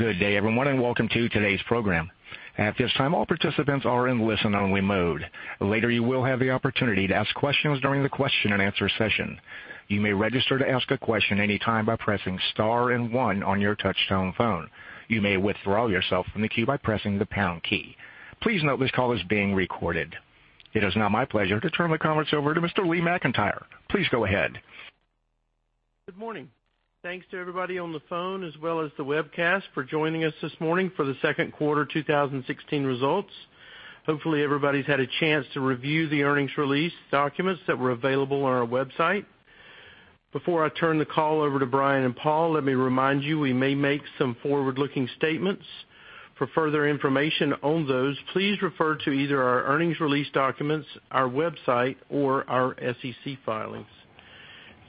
Good day, everyone, and welcome to today's program. At this time, all participants are in listen-only mode. Later, you will have the opportunity to ask questions during the question-and-answer session. You may register to ask a question anytime by pressing star and one on your touchtone phone. You may withdraw yourself from the queue by pressing the pound key. Please note this call is being recorded. It is now my pleasure to turn the conference over to Mr. Lee McEntire. Please go ahead. Good morning. Thanks to everybody on the phone, as well as the webcast, for joining us this morning for the second quarter 2016 results. Hopefully, everybody's had a chance to review the earnings release documents that were available on our website. Before I turn the call over to Brian and Paul, let me remind you, we may make some forward-looking statements. For further information on those, please refer to either our earnings release documents, our website, or our SEC filings.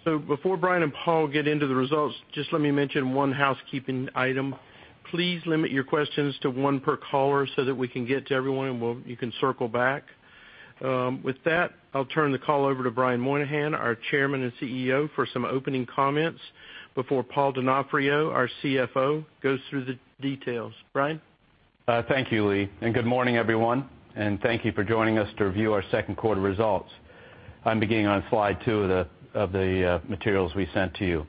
Before Brian and Paul get into the results, just let me mention one housekeeping item. Please limit your questions to one per caller so that we can get to everyone, and you can circle back. With that, I'll turn the call over to Brian Moynihan, our Chairman and CEO, for some opening comments before Paul Donofrio, our CFO, goes through the details. Brian? Thank you, Lee, good morning, everyone. Thank you for joining us to review our second quarter results. I'm beginning on slide two of the materials we sent to you.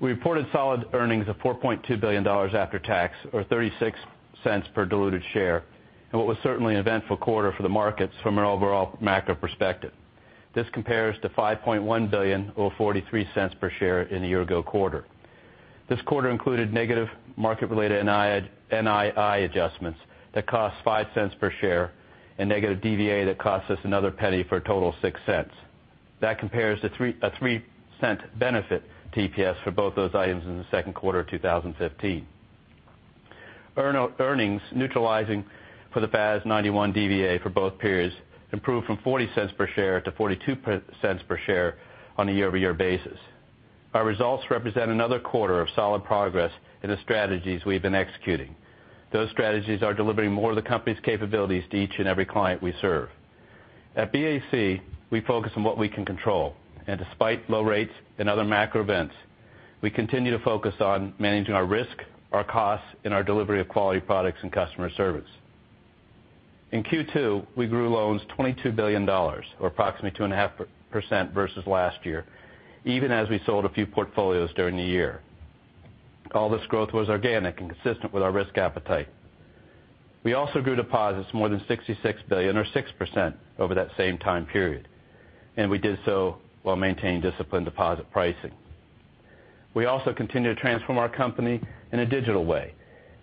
We reported solid earnings of $4.2 billion after tax, or $0.36 per diluted share, in what was certainly an eventful quarter for the markets from an overall macro perspective. This compares to $5.1 billion, or $0.43 per share, in the year-ago quarter. This quarter included negative market-related NII adjustments that cost $0.05 per share and negative DVA that cost us another $0.01 for a total of $0.06. That compares to a $0.03 benefit to EPS for both those items in the second quarter of 2015. Earnings, neutralizing for the FAS 91 DVA for both periods, improved from $0.40 per share to $0.42 per share on a year-over-year basis. Our results represent another quarter of solid progress in the strategies we've been executing. Those strategies are delivering more of the company's capabilities to each and every client we serve. At BAC, we focus on what we can control. Despite low rates and other macro events, we continue to focus on managing our risk, our costs, and our delivery of quality products and customer service. In Q2, we grew loans $22 billion, or approximately 2.5% versus last year, even as we sold a few portfolios during the year. All this growth was organic and consistent with our risk appetite. We also grew deposits more than $66 billion or 6% over that same time period. We did so while maintaining disciplined deposit pricing. We also continue to transform our company in a digital way,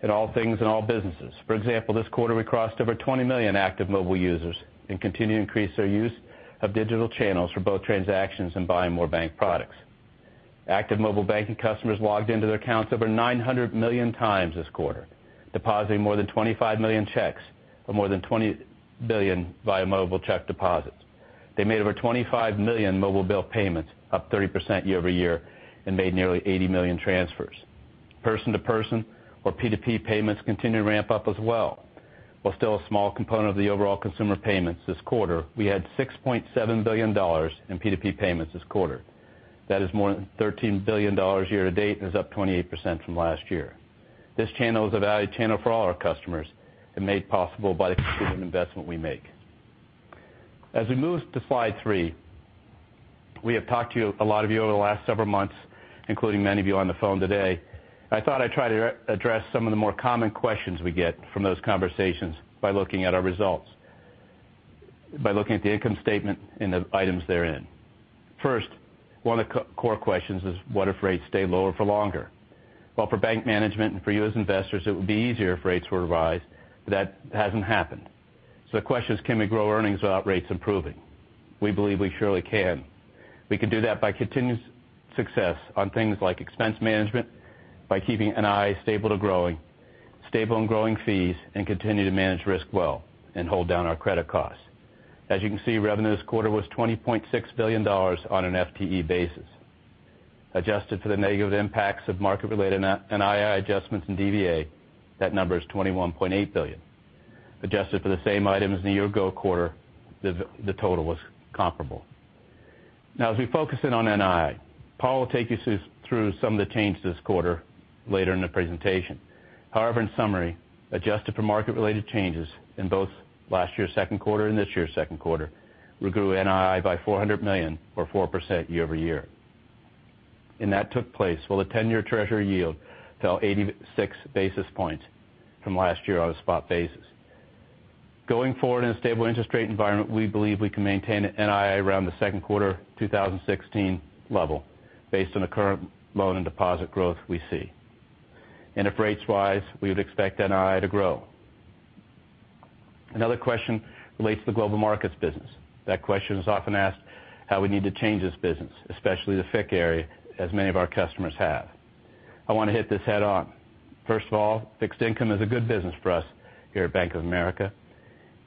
in all things, in all businesses. For example, this quarter, we crossed over 20 million active mobile users and continue to increase their use of digital channels for both transactions and buying more bank products. Active mobile banking customers logged into their accounts over 900 million times this quarter, depositing more than 25 million checks, or more than $20 billion via mobile check deposits. They made over 25 million mobile bill payments, up 30% year-over-year, and made nearly 80 million transfers. Person-to-person or P2P payments continue to ramp up as well. While still a small component of the overall consumer payments this quarter, we had $6.7 billion in P2P payments this quarter. That is more than $13 billion year-to-date and is up 28% from last year. This channel is a valued channel for all our customers and made possible by the continued investment we make. As we move to slide three, we have talked to a lot of you over the last several months, including many of you on the phone today. I thought I'd try to address some of the more common questions we get from those conversations by looking at our results, by looking at the income statement and the items therein. First, one of the core questions is, what if rates stay lower for longer? Well, for bank management and for you as investors, it would be easier if rates were to rise. That hasn't happened. The question is, can we grow earnings without rates improving? We believe we surely can. We can do that by continued success on things like expense management, by keeping NII stable and growing fees, and continuing to manage risk well and hold down our credit costs. As you can see, revenue this quarter was $20.6 billion on an FTE basis. Adjusted for the negative impacts of market-related NII adjustments and DVA, that number is $21.8 billion. Adjusted for the same items in the year-ago quarter, the total was comparable. Now, as we focus in on NII, Paul will take you through some of the changes this quarter later in the presentation. However, in summary, adjusted for market-related changes in both last year's second quarter and this year's second quarter, we grew NII by $400 million or 4% year-over-year. That took place while the 10-year Treasury yield fell 86 basis points from last year on a spot basis. Going forward in a stable interest rate environment, we believe we can maintain NII around the second quarter 2016 level based on the current loan and deposit growth we see. If rates rise, we would expect NII to grow. Another question relates to the Global Markets business. That question is often asked how we need to change this business, especially the FIC area, as many of our customers have. I want to hit this head-on. First of all, fixed income is a good business for us here at Bank of America.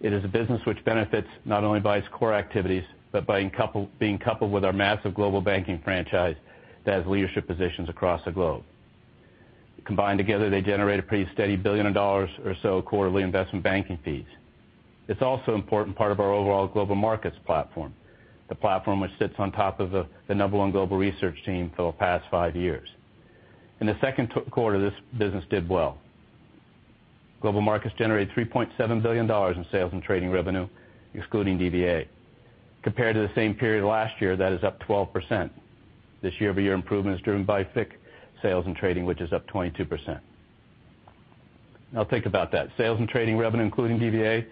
It is a business which benefits not only by its core activities, but by being coupled with our massive Global Banking franchise that has leadership positions across the globe. Combined together, they generate a pretty steady $1 billion or so quarterly investment banking fees. It's also an important part of our overall Global Markets platform. The platform which sits on top of the number one global research team for the past five years. In the second quarter, this business did well. Global markets generated $3.7 billion in sales and trading revenue, excluding DVA. Compared to the same period last year, that is up 12%. This year-over-year improvement is driven by FIC sales and trading, which is up 22%. Think about that. Sales and trading revenue, including DVA,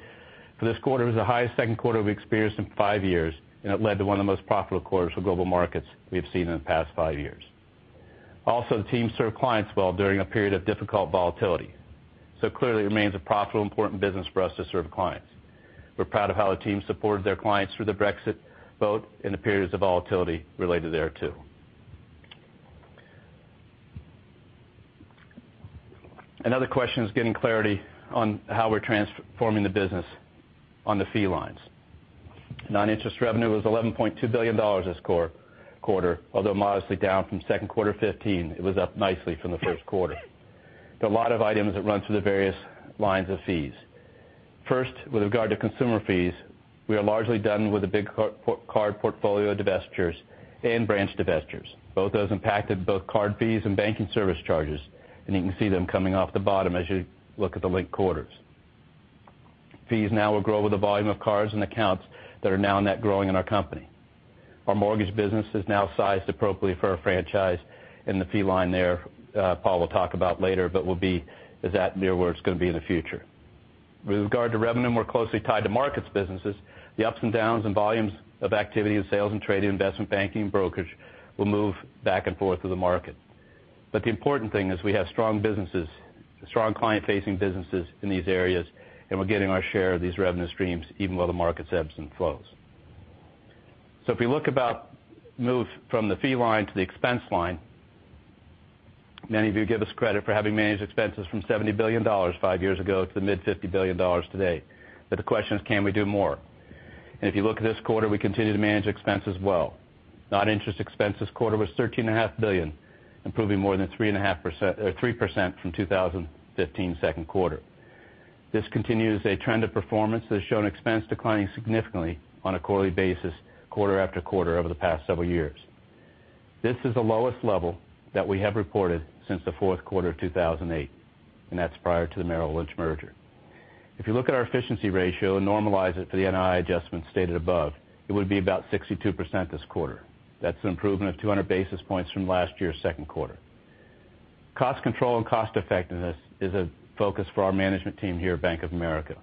for this quarter, is the highest second quarter we've experienced in five years, and it led to one of the most profitable quarters for Global Markets we've seen in the past five years. Also, the team served clients well during a period of difficult volatility. Clearly, it remains a profitable, important business for us to serve clients. We're proud of how the team supported their clients through the Brexit vote and the periods of volatility related thereto. Another question is getting clarity on how we're transforming the business on the fee lines. Non-interest revenue was $11.2 billion this quarter. Although modestly down from Q2 2015, it was up nicely from the first quarter. There are a lot of items that run through the various lines of fees. First, with regard to consumer fees, we are largely done with the big card portfolio divestitures and branch divestitures. Both those impacted both card fees and banking service charges, and you can see them coming off the bottom as you look at the linked quarters. Fees now will grow with the volume of cards and accounts that are now net growing in our company. Our mortgage business is now sized appropriately for our franchise in the fee line there. Paul will talk about later, but is at near where it's going to be in the future. With regard to revenue more closely tied to markets businesses, the ups and downs in volumes of activity in sales and trade, investment banking, and brokerage will move back and forth through the market. The important thing is we have strong client-facing businesses in these areas, and we're getting our share of these revenue streams, even while the market ebbs and flows. If we look about move from the fee line to the expense line, many of you give us credit for having managed expenses from $70 billion five years ago to the mid-$50 billion today. The question is, can we do more? If you look at this quarter, we continue to manage expenses well. Non-interest expense this quarter was $13.5 billion, improving more than 3% from 2015 second quarter. This continues a trend of performance that has shown expense declining significantly on a quarterly basis quarter after quarter over the past several years. This is the lowest level that we have reported since the fourth quarter of 2008, and that's prior to the Merrill Lynch merger. If you look at our efficiency ratio and normalize it for the NII adjustments stated above, it would be about 62% this quarter. That's an improvement of 200 basis points from last year's second quarter. Cost control and cost-effectiveness is a focus for our management team here at Bank of America.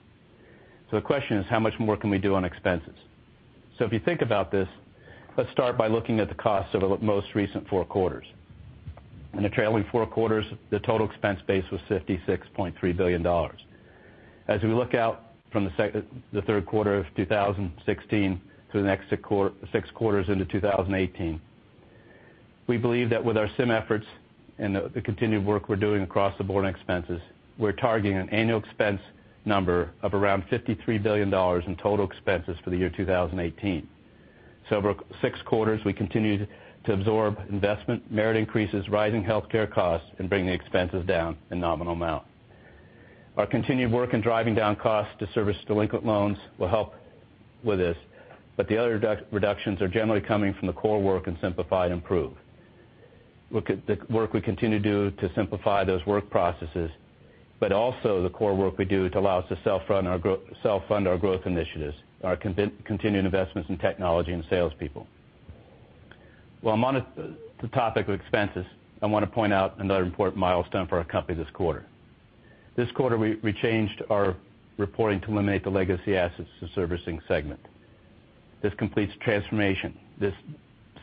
The question is, how much more can we do on expenses? If you think about this, let's start by looking at the cost of our most recent four quarters. In the trailing four quarters, the total expense base was $56.3 billion. As we look out from the third quarter of 2016 to the next six quarters into 2018, we believe that with our SIM efforts and the continued work we're doing across the board on expenses, we're targeting an annual expense number of around $53 billion in total expenses for the year 2018. Over six quarters, we continue to absorb investment, merit increases, rising healthcare costs, and bringing expenses down in nominal amount. Our continued work in driving down costs to service delinquent loans will help with this, but the other reductions are generally coming from the core work in Simplify and Improve. Look at the work we continue to do to simplify those work processes, but also the core work we do to allow us to self-fund our growth initiatives, our continuing investments in technology and salespeople. While I'm on the topic of expenses, I want to point out another important milestone for our company this quarter. This quarter, we changed our reporting to eliminate the Legacy Assets and Servicing segment. This completes transformation. This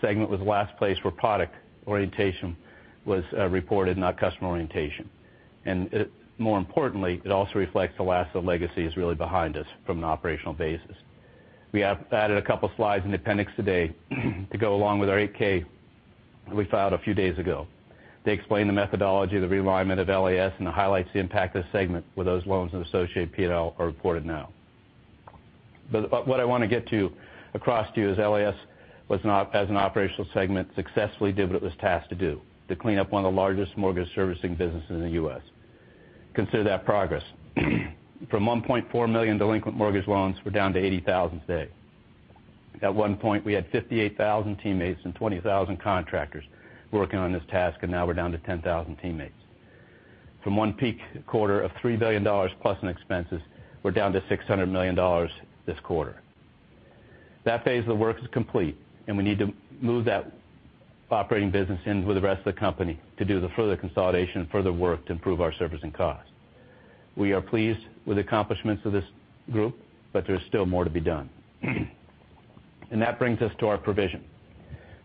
segment was the last place where product orientation was reported, not customer orientation. More importantly, it also reflects the last of the legacy is really behind us from an operational basis. We have added a couple slides in appendix today to go along with our 8-K that we filed a few days ago. They explain the methodology of the realignment of LAS and it highlights the impact this segment where those loans and associate P&L are reported now. What I want to get across to you is LAS, as an operational segment, successfully did what it was tasked to do, to clean up one of the largest mortgage servicing businesses in the U.S. Consider that progress. From 1.4 million delinquent mortgage loans, we're down to 80,000 today. At one point, we had 58,000 teammates and 20,000 contractors working on this task, and now we're down to 10,000 teammates. From one peak quarter of $3 billion plus in expenses, we're down to $600 million this quarter. That phase of the work is complete, and we need to move that operating business in with the rest of the company to do the further consolidation and further work to improve our servicing costs. We are pleased with the accomplishments of this group, but there's still more to be done. That brings us to our provision.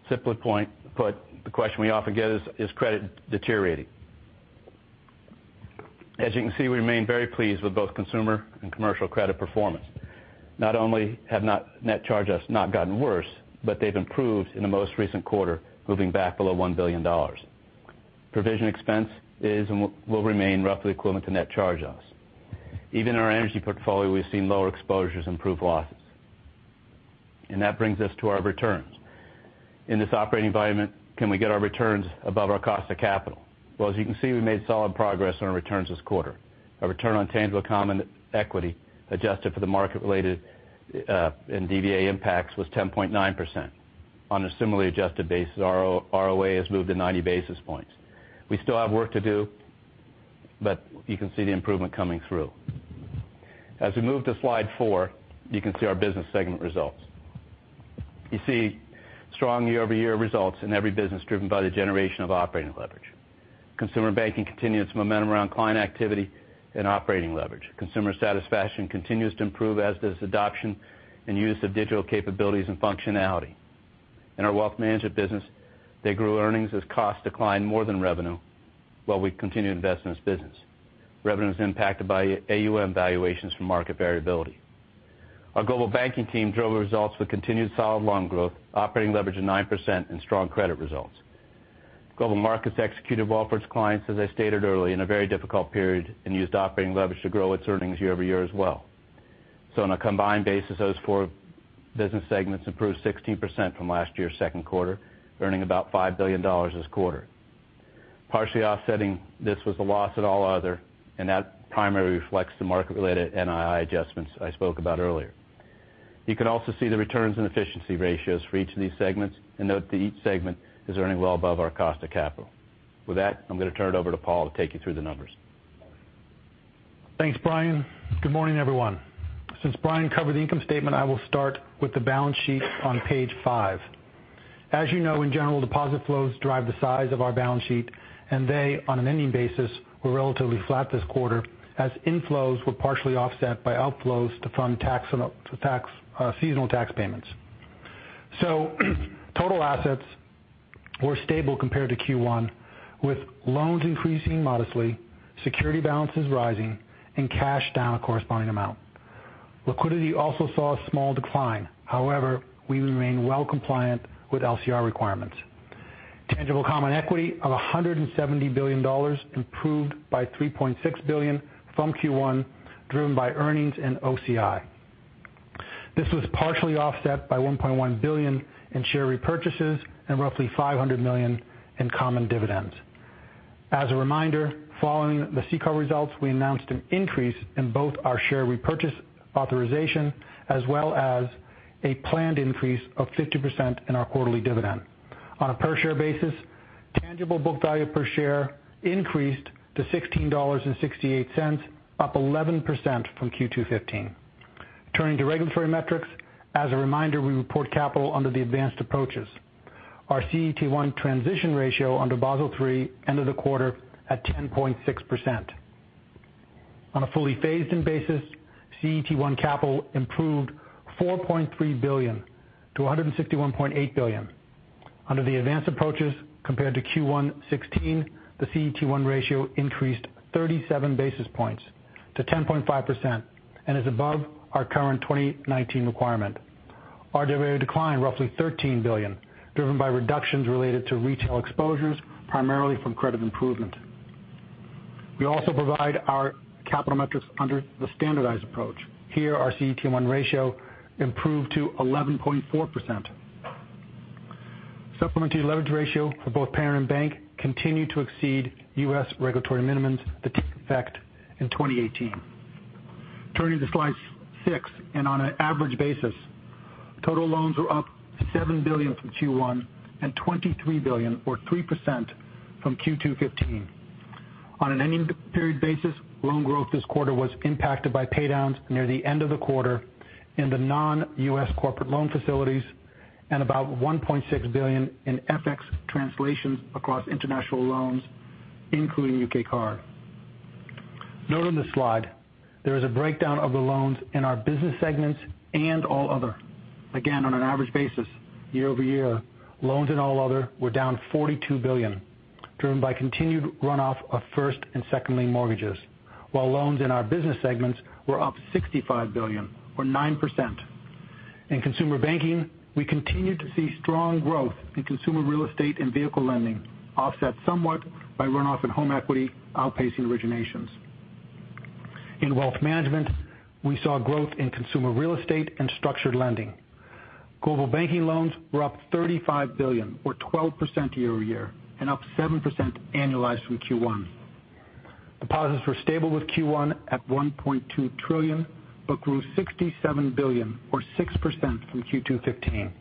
Simply put, the question we often get is credit deteriorating? As you can see, we remain very pleased with both consumer and commercial credit performance. Not only have net charge-offs not gotten worse, but they've improved in the most recent quarter, moving back below $1 billion. Provision expense is and will remain roughly equivalent to net charge-offs. Even in our energy portfolio, we've seen lower exposures improve losses. That brings us to our returns. In this operating environment, can we get our returns above our cost of capital? Well, as you can see, we made solid progress on our returns this quarter. Our return on tangible common equity, adjusted for the market-related and DVA impacts, was 10.9%. On a similarly adjusted basis, ROA has moved to 90 basis points. We still have work to do, but you can see the improvement coming through. As we move to slide four, you can see our business segment results. You see strong year-over-year results in every business driven by the generation of operating leverage. Consumer Banking continued its momentum around client activity and operating leverage. Consumer satisfaction continues to improve, as does adoption and use of digital capabilities and functionality. In our Wealth Management business, they grew earnings as costs declined more than revenue, while we continued to invest in this business. Revenue was impacted by AUM valuations from market variability. Our Global Banking team drove results with continued solid loan growth, operating leverage of 9%, and strong credit results. Global Markets executed well for its clients, as I stated earlier, in a very difficult period, and used operating leverage to grow its earnings year-over-year as well. On a combined basis, those four business segments improved 16% from last year's second quarter, earning about $5 billion this quarter. Partially offsetting this was the loss at all other. That primarily reflects the market-related NII adjustments I spoke about earlier. You can also see the returns and efficiency ratios for each of these segments. Note that each segment is earning well above our cost of capital. With that, I'm going to turn it over to Paul to take you through the numbers. Thanks, Brian. Good morning, everyone. Since Brian covered the income statement, I will start with the balance sheet on page five. As you know, in general, deposit flows drive the size of our balance sheet, and they, on an ending basis, were relatively flat this quarter as inflows were partially offset by outflows to fund seasonal tax payments. Total assets were stable compared to Q1, with loans increasing modestly, security balances rising, and cash down a corresponding amount. Liquidity also saw a small decline. However, we remain well compliant with LCR requirements. Tangible common equity of $170 billion improved by $3.6 billion from Q1, driven by earnings and OCI. This was partially offset by $1.1 billion in share repurchases and roughly $500 million in common dividends. As a reminder, following the CECL results, we announced an increase in both our share repurchase authorization as well as a planned increase of 50% in our quarterly dividend. On a per share basis, tangible book value per share increased to $16.68, up 11% from Q2 2015. Turning to regulatory metrics, as a reminder, we report capital under the advanced approaches. Our CET1 transition ratio under Basel III ended the quarter at 10.6%. On a fully phased-in basis, CET1 capital improved $4.3 billion to $161.8 billion. Under the advanced approaches compared to Q1 2016, the CET1 ratio increased 37 basis points to 10.5% and is above our current 2019 requirement. RWA declined roughly $13 billion, driven by reductions related to retail exposures, primarily from credit improvement. We also provide our capital metrics under the standardized approach. Here, our CET1 ratio improved to 11.4%. Supplementary leverage ratio for both parent and bank continued to exceed U.S. regulatory minimums that take effect in 2018. On an average basis, total loans were up $7 billion from Q1 and $23 billion or 3% from Q2 2015. On an ending period basis, loan growth this quarter was impacted by paydowns near the end of the quarter in the non-U.S. corporate loan facilities and about $1.6 billion in FX translations across international loans, including U.K. card. Note on this slide, there is a breakdown of the loans in our business segments and all other. Again, on an average basis, year-over-year, loans and all other were down $42 billion, driven by continued runoff of first and second-lien mortgages, while loans in our business segments were up $65 billion or 9%. In Consumer Banking, we continued to see strong growth in consumer real estate and vehicle lending, offset somewhat by runoff in home equity outpacing originations. In wealth management, we saw growth in consumer real estate and structured lending. Global Banking loans were up $35 billion or 12% year-over-year. Up 7% annualized from Q1. Deposits were stable with Q1 at $1.2 trillion, grew $67 billion or 6% from Q2 2015.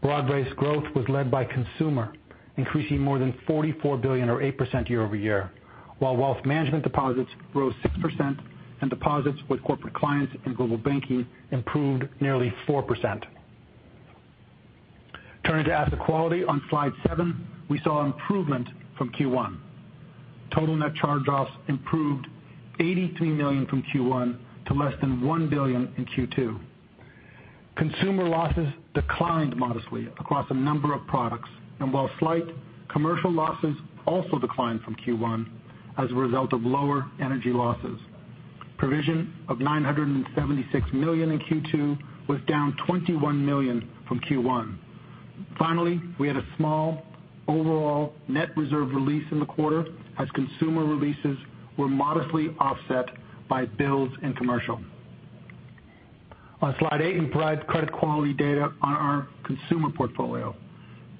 Broad-based growth was led by consumer, increasing more than $44 billion or 8% year-over-year, while wealth management deposits rose 6%, and deposits with corporate clients and Global Banking improved nearly 4%. Turning to asset quality on slide seven, we saw improvement from Q1. Total net charge-offs improved $83 million from Q1 to less than $1 billion in Q2. Consumer losses declined modestly across a number of products. While slight, commercial losses also declined from Q1 as a result of lower energy losses. Provision of $976 million in Q2 was down $21 million from Q1. Finally, we had a small overall net reserve release in the quarter as consumer releases were modestly offset by bills and commercial. On slide eight, we provide credit quality data on our consumer portfolio.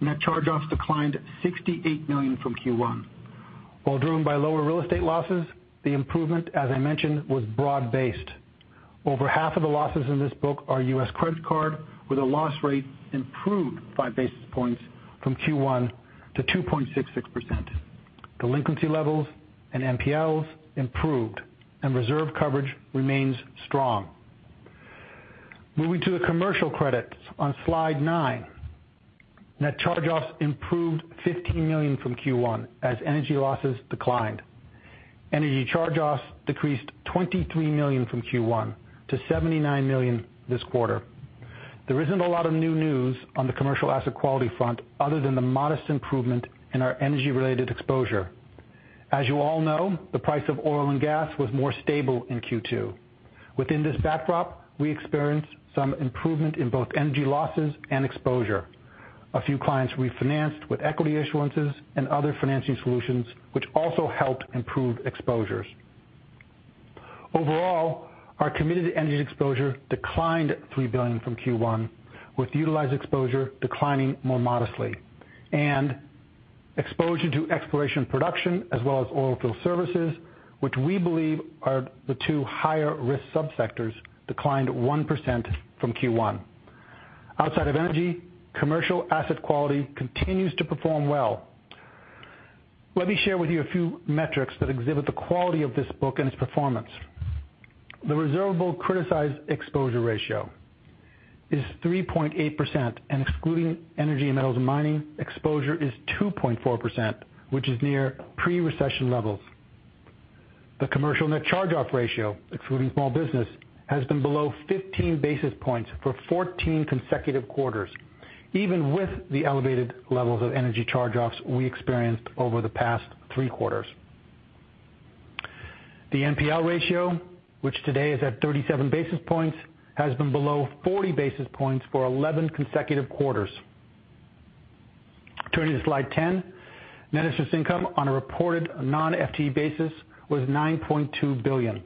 Net charge-offs declined to $68 million from Q1. While driven by lower real estate losses, the improvement, as I mentioned, was broad-based. Over half of the losses in this book are U.S. credit card, where the loss rate improved five basis points from Q1 to 2.66%. Delinquency levels and NPLs improved, and reserve coverage remains strong. Moving to the commercial credits on slide nine. Net charge-offs improved to $15 million from Q1 as energy losses declined. Energy charge-offs decreased $23 million from Q1 to $79 million this quarter. There isn't a lot of new news on the commercial asset quality front other than the modest improvement in our energy-related exposure. As you all know, the price of oil and gas was more stable in Q2. Within this backdrop, we experienced some improvement in both energy losses and exposure. A few clients refinanced with equity issuances and other financing solutions, which also helped improve exposures. Overall, our committed energy exposure declined $3 billion from Q1, with utilized exposure declining more modestly, and exposure to exploration production as well as oil field services, which we believe are the two higher-risk sub-sectors, declined 1% from Q1. Outside of energy, commercial asset quality continues to perform well. Let me share with you a few metrics that exhibit the quality of this book and its performance. The reservable criticized exposure ratio is 3.8%, excluding energy and metals and mining, exposure is 2.4%, which is near pre-recession levels. The commercial net charge-off ratio, excluding small business, has been below 15 basis points for 14 consecutive quarters, even with the elevated levels of energy charge-offs we experienced over the past three quarters. The NPL ratio, which today is at 37 basis points, has been below 40 basis points for 11 consecutive quarters. Turning to slide 10, net interest income on a reported non-FTE basis was $9.2 billion.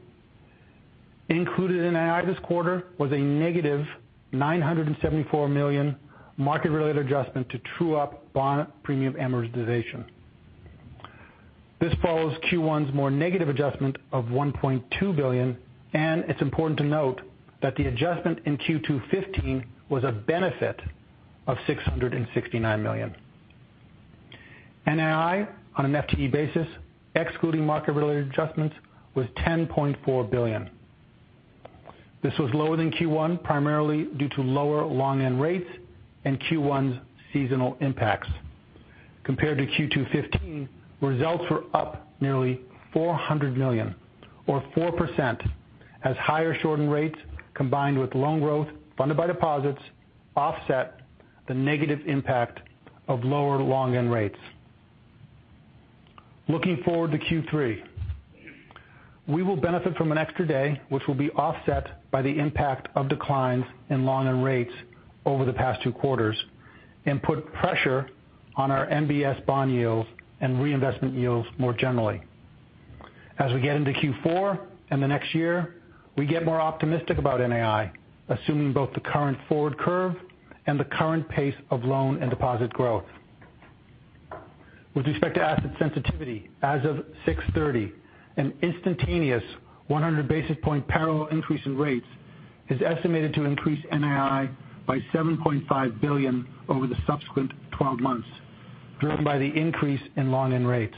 Included in NII this quarter was a negative $974 million market-related adjustment to true up bond premium amortization. This follows Q1's more negative adjustment of $1.2 billion. It's important to note that the adjustment in Q2 2015 was a benefit of $669 million. NII on an FTE basis, excluding market-related adjustments, was $10.4 billion. This was lower than Q1, primarily due to lower long-end rates and Q1's seasonal impacts. Compared to Q2 2015, results were up nearly $400 million or 4% as higher shortened rates combined with loan growth funded by deposits offset the negative impact of lower long-end rates. Looking forward to Q3. We will benefit from an extra day, which will be offset by the impact of declines in long-end rates over the past two quarters and put pressure on our MBS bond yields and reinvestment yields more generally. As we get into Q4 and the next year, we get more optimistic about NII, assuming both the current forward curve and the current pace of loan and deposit growth. With respect to asset sensitivity, as of June 30, an instantaneous 100-basis point parallel increase in rates is estimated to increase NII by $7.5 billion over the subsequent 12 months, driven by the increase in long-end rates.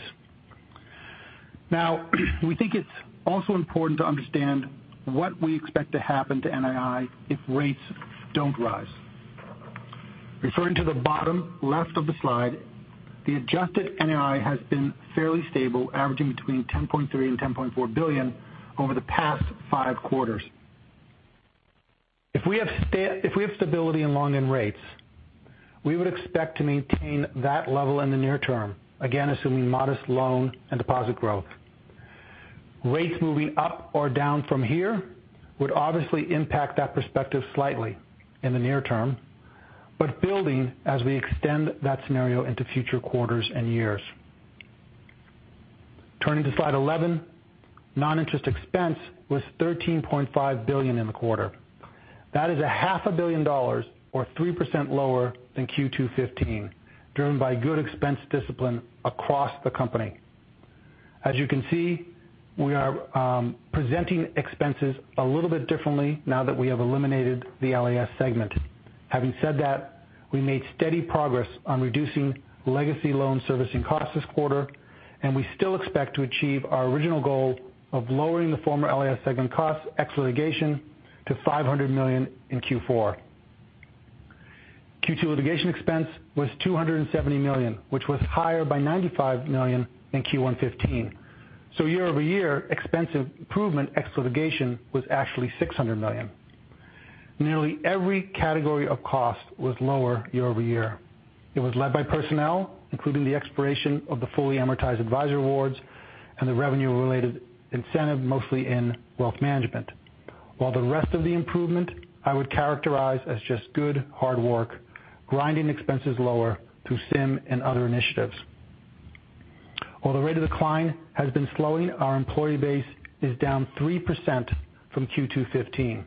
We think it's also important to understand what we expect to happen to NII if rates don't rise. Referring to the bottom left of the slide, the adjusted NII has been fairly stable, averaging between $10.3 billion and $10.4 billion over the past five quarters. If we have stability in long-end rates, we would expect to maintain that level in the near term, again, assuming modest loan and deposit growth. Rates moving up or down from here would obviously impact that perspective slightly in the near term, but building as we extend that scenario into future quarters and years. Turning to slide 11, non-interest expense was $13.5 billion in the quarter. That is a half a billion dollars or 3% lower than Q2 2015, driven by good expense discipline across the company. As you can see, we are presenting expenses a little bit differently now that we have eliminated the LAS segment. Having said that, we made steady progress on reducing legacy loan servicing costs this quarter. We still expect to achieve our original goal of lowering the former LAS segment costs ex litigation to $500 million in Q4. Q2 litigation expense was $270 million, which was higher by $95 million than Q1 2015. Year-over-year, expense improvement ex litigation was actually $600 million. Nearly every category of cost was lower year-over-year. It was led by personnel, including the expiration of the fully amortized advisory awards and the revenue-related incentive, mostly in wealth management. I would characterize the rest of the improvement as just good hard work, grinding expenses lower through SIM and other initiatives. The rate of decline has been slowing, our employee base is down 3% from Q2 2015.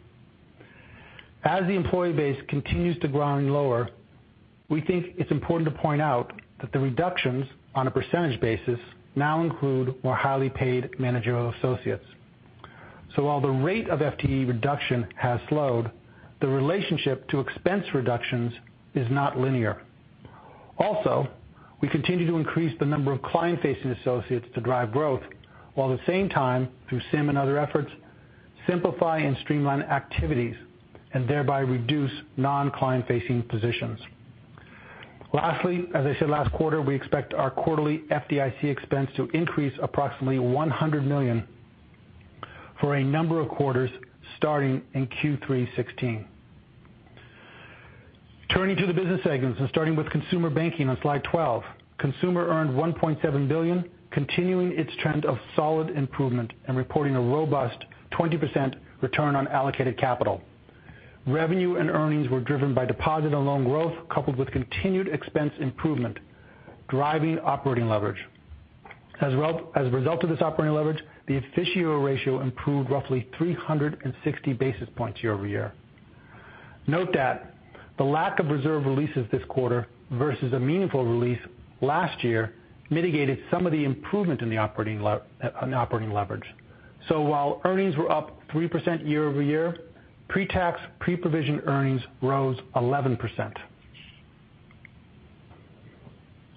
As the employee base continues to grind lower, we think it's important to point out that the reductions on a percentage basis now include more highly paid managerial associates. While the rate of FTE reduction has slowed, the relationship to expense reductions is not linear. We continue to increase the number of client-facing associates to drive growth, while at the same time, through SIM and other efforts, simplify and streamline activities, and thereby reduce non-client-facing positions. As I said last quarter, we expect our quarterly FDIC expense to increase approximately $100 million for a number of quarters starting in Q3 2016. Starting with Consumer Banking on slide 12. Consumer earned $1.7 billion, continuing its trend of solid improvement and reporting a robust 20% return on allocated capital. Revenue and earnings were driven by deposit and loan growth, coupled with continued expense improvement, driving operating leverage. As a result of this operating leverage, the efficiency ratio improved roughly 360 basis points year-over-year. Note that the lack of reserve releases this quarter versus a meaningful release last year mitigated some of the improvement in the operating leverage. While earnings were up 3% year-over-year, pre-tax, pre-provision earnings rose 11%.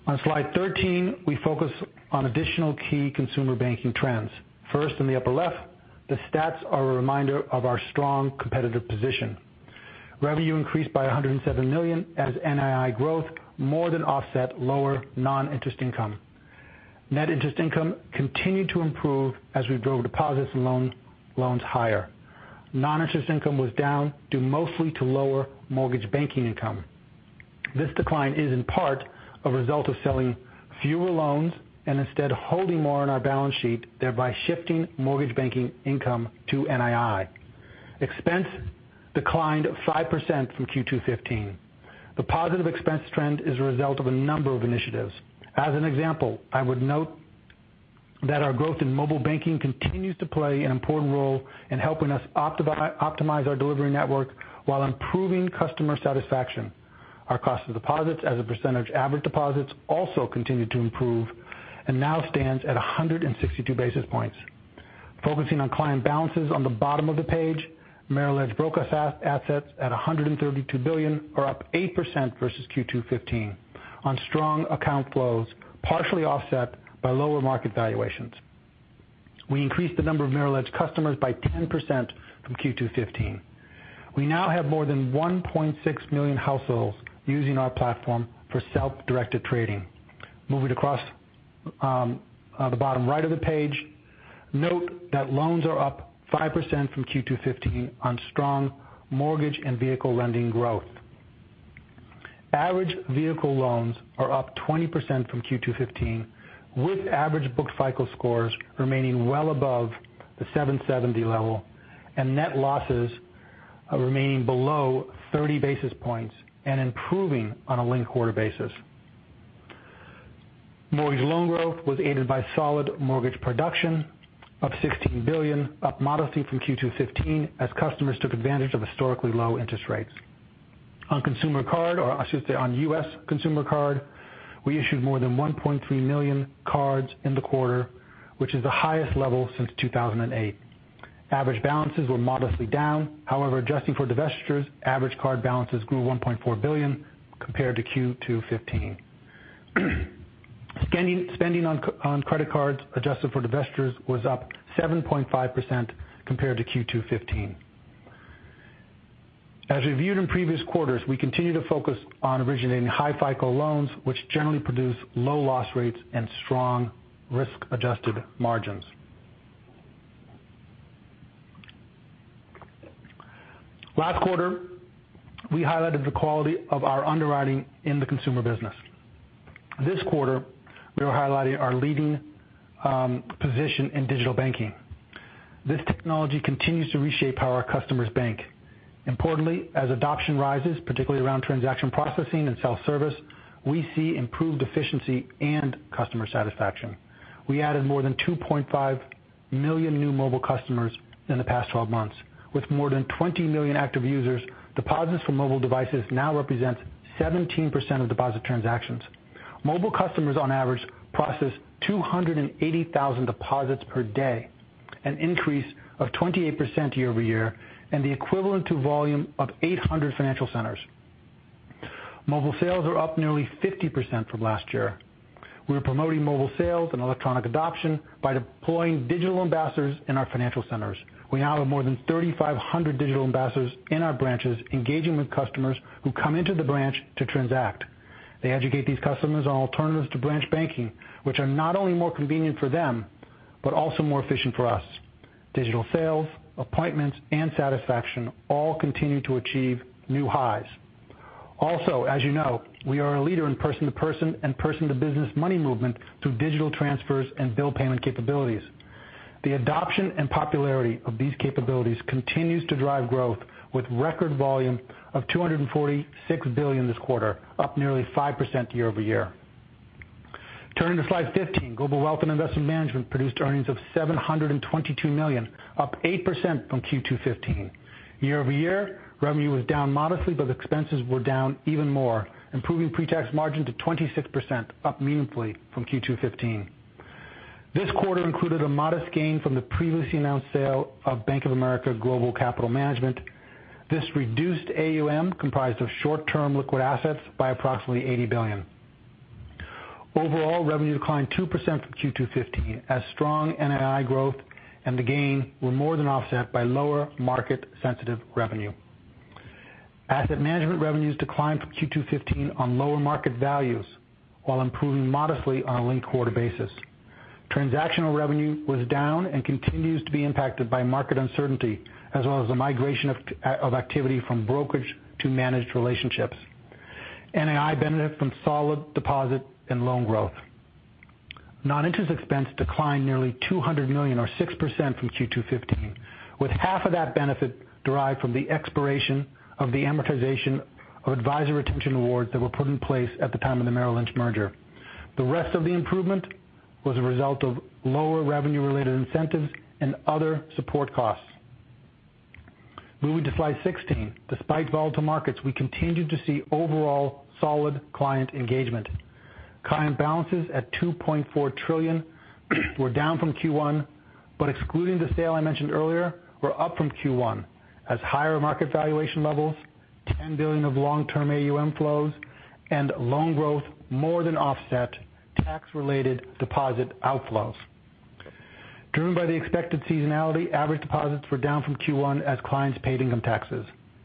On slide 13, we focus on additional key Consumer Banking trends. In the upper left, the stats are a reminder of our strong competitive position. Revenue increased by $107 million as NII growth more than offset lower non-interest income. Net interest income continued to improve as we drove deposits and loans higher. Non-interest income was down due mostly to lower mortgage banking income. This decline is in part a result of selling fewer loans and instead holding more on our balance sheet, thereby shifting mortgage banking income to NII. Expense declined 5% from Q2 2015. The positive expense trend is a result of a number of initiatives. I would note that our growth in mobile banking continues to play an important role in helping us optimize our delivery network while improving customer satisfaction. Our cost of deposits as a percentage of average deposits continue to improve and now stands at 162 basis points. Merrill Edge broker assets at $132 billion are up 8% versus Q2 2015 on strong account flows, partially offset by lower market valuations. We increased the number of Merrill Edge customers by 10% from Q2 2015. We now have more than 1.6 million households using our platform for self-directed trading. Note that loans are up 5% from Q2 2015 on strong mortgage and vehicle lending growth. Average vehicle loans are up 20% from Q2 2015, with average book FICO scores remaining well above the 770 level, and net losses remaining below 30 basis points and improving on a linked quarter basis. Mortgage loan growth was aided by solid mortgage production, up $16 billion, up modestly from Q2 2015 as customers took advantage of historically low interest rates. On consumer card, or I should say on U.S. consumer card, we issued more than 1.3 million cards in the quarter, which is the highest level since 2008. Average balances were modestly down. However, adjusting for divestitures, average card balances grew $1.4 billion compared to Q2 2015. Spending on credit cards adjusted for divestitures was up 7.5% compared to Q2 2015. As reviewed in previous quarters, we continue to focus on originating high FICO loans, which generally produce low loss rates and strong risk-adjusted margins. Last quarter, we highlighted the quality of our underwriting in the consumer business. This quarter, we are highlighting our leading position in digital banking. This technology continues to reshape how our customers bank. Importantly, as adoption rises, particularly around transaction processing and self-service, we see improved efficiency and customer satisfaction. We added more than 2.5 million new mobile customers in the past 12 months. With more than 20 million active users, deposits from mobile devices now represent 17% of deposit transactions. Mobile customers, on average, process 280,000 deposits per day, an increase of 28% year-over-year, and the equivalent to volume of 800 financial centers. Mobile sales are up nearly 50% from last year. We're promoting mobile sales and electronic adoption by deploying digital ambassadors in our financial centers. We now have more than 3,500 digital ambassadors in our branches engaging with customers who come into the branch to transact. They educate these customers on alternatives to branch banking, which are not only more convenient for them but also more efficient for us. Digital sales, appointments, and satisfaction all continue to achieve new highs. Also, as you know, we are a leader in person-to-person and person-to-business money movement through digital transfers and bill payment capabilities. The adoption and popularity of these capabilities continues to drive growth, with record volume of $246 billion this quarter, up nearly 5% year-over-year. Turning to slide 15. Global Wealth & Investment Management produced earnings of $722 million, up 8% from Q2 2015. Year-over-year, revenue was down modestly, but expenses were down even more, improving pre-tax margin to 26%, up meaningfully from Q2 2015. This quarter included a modest gain from the previously announced sale of BofA Global Capital Management. This reduced AUM, comprised of short-term liquid assets, by approximately $80 billion. Overall, revenue declined 2% from Q2 2015, as strong NII growth and the gain were more than offset by lower market-sensitive revenue. Asset management revenues declined from Q2 2015 on lower market values while improving modestly on a linked-quarter basis. Transactional revenue was down and continues to be impacted by market uncertainty, as well as the migration of activity from brokerage to managed relationships. NII benefited from solid deposit and loan growth. Non-interest expense declined nearly $200 million, or 6%, from Q2 2015, with half of that benefit derived from the expiration of the amortization of advisor retention awards that were put in place at the time of the Merrill Lynch merger. The rest of the improvement was a result of lower revenue-related incentives and other support costs. Moving to slide 16. Despite volatile markets, we continued to see overall solid client engagement. Client balances at $2.4 trillion were down from Q1, but excluding the sale I mentioned earlier, were up from Q1, as higher market valuation levels, $10 billion of long-term AUM flows, and loan growth more than offset tax-related deposit outflows. Driven by the expected seasonality, average deposits were down from Q1 as clients paid income taxes.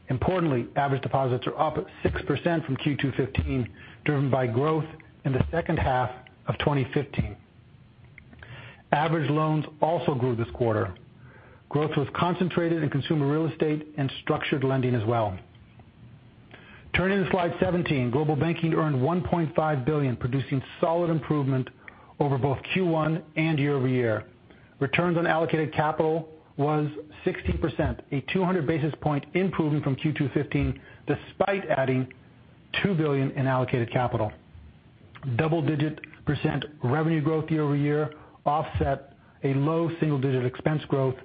Importantly, average deposits are up 6% from Q2 2015, driven by growth in the second half of 2015. Average loans also grew this quarter. Growth was concentrated in consumer real estate and structured lending as well. Turning to slide 17. Global Banking earned $1.5 billion, producing solid improvement over both Q1 and year-over-year. Returns on allocated capital was 16%, a 200-basis-point improvement from Q2 2015, despite adding $2 billion in allocated capital. Double-digit % revenue growth year-over-year offset a low single-digit expense growth,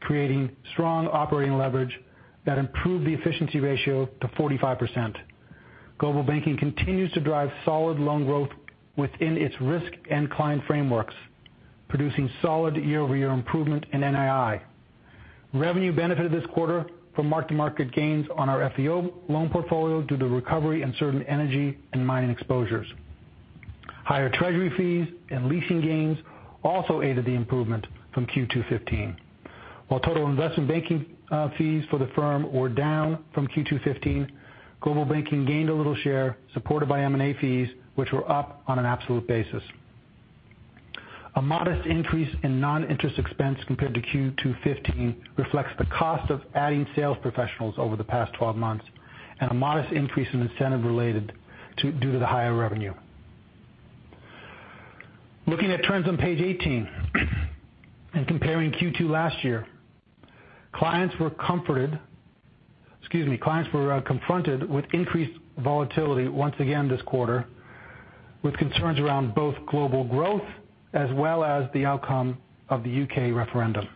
creating strong operating leverage that improved the efficiency ratio to 45%. Global Banking continues to drive solid loan growth within its risk and client frameworks, producing solid year-over-year improvement in NII. Revenue benefited this quarter from mark-to-market gains on our FEO loan portfolio due to recovery in certain energy and mining exposures. Higher treasury fees and leasing gains also aided the improvement from Q2 2015. While total investment banking fees for the firm were down from Q2 2015, Global Banking gained a little share, supported by M&A fees, which were up on an absolute basis. A modest increase in non-interest expense compared to Q2 2015 reflects the cost of adding sales professionals over the past 12 months and a modest increase in incentive related due to the higher revenue. Looking at trends on page 18 and comparing Q2 last year. Clients were confronted with increased volatility once again this quarter with concerns around both global growth as well as the outcome of the U.K. referendum.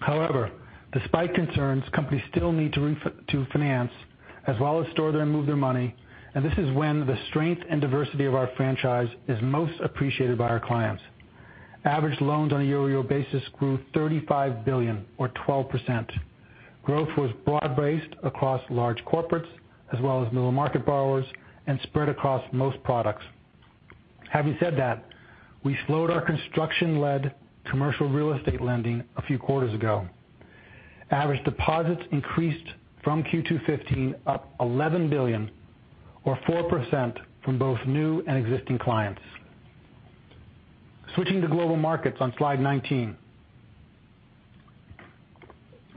However, despite concerns, companies still need to finance as well as store and move their money, and this is when the strength and diversity of our franchise is most appreciated by our clients. Average loans on a year-over-year basis grew $35 billion, or 12%. Growth was broad-based across large corporates as well as middle-market borrowers, and spread across most products. Having said that, we slowed our construction-led commercial real estate lending a few quarters ago. Average deposits increased from Q2 2015, up $11 billion, or 4%, from both new and existing clients. Switching to Global Markets on slide 19.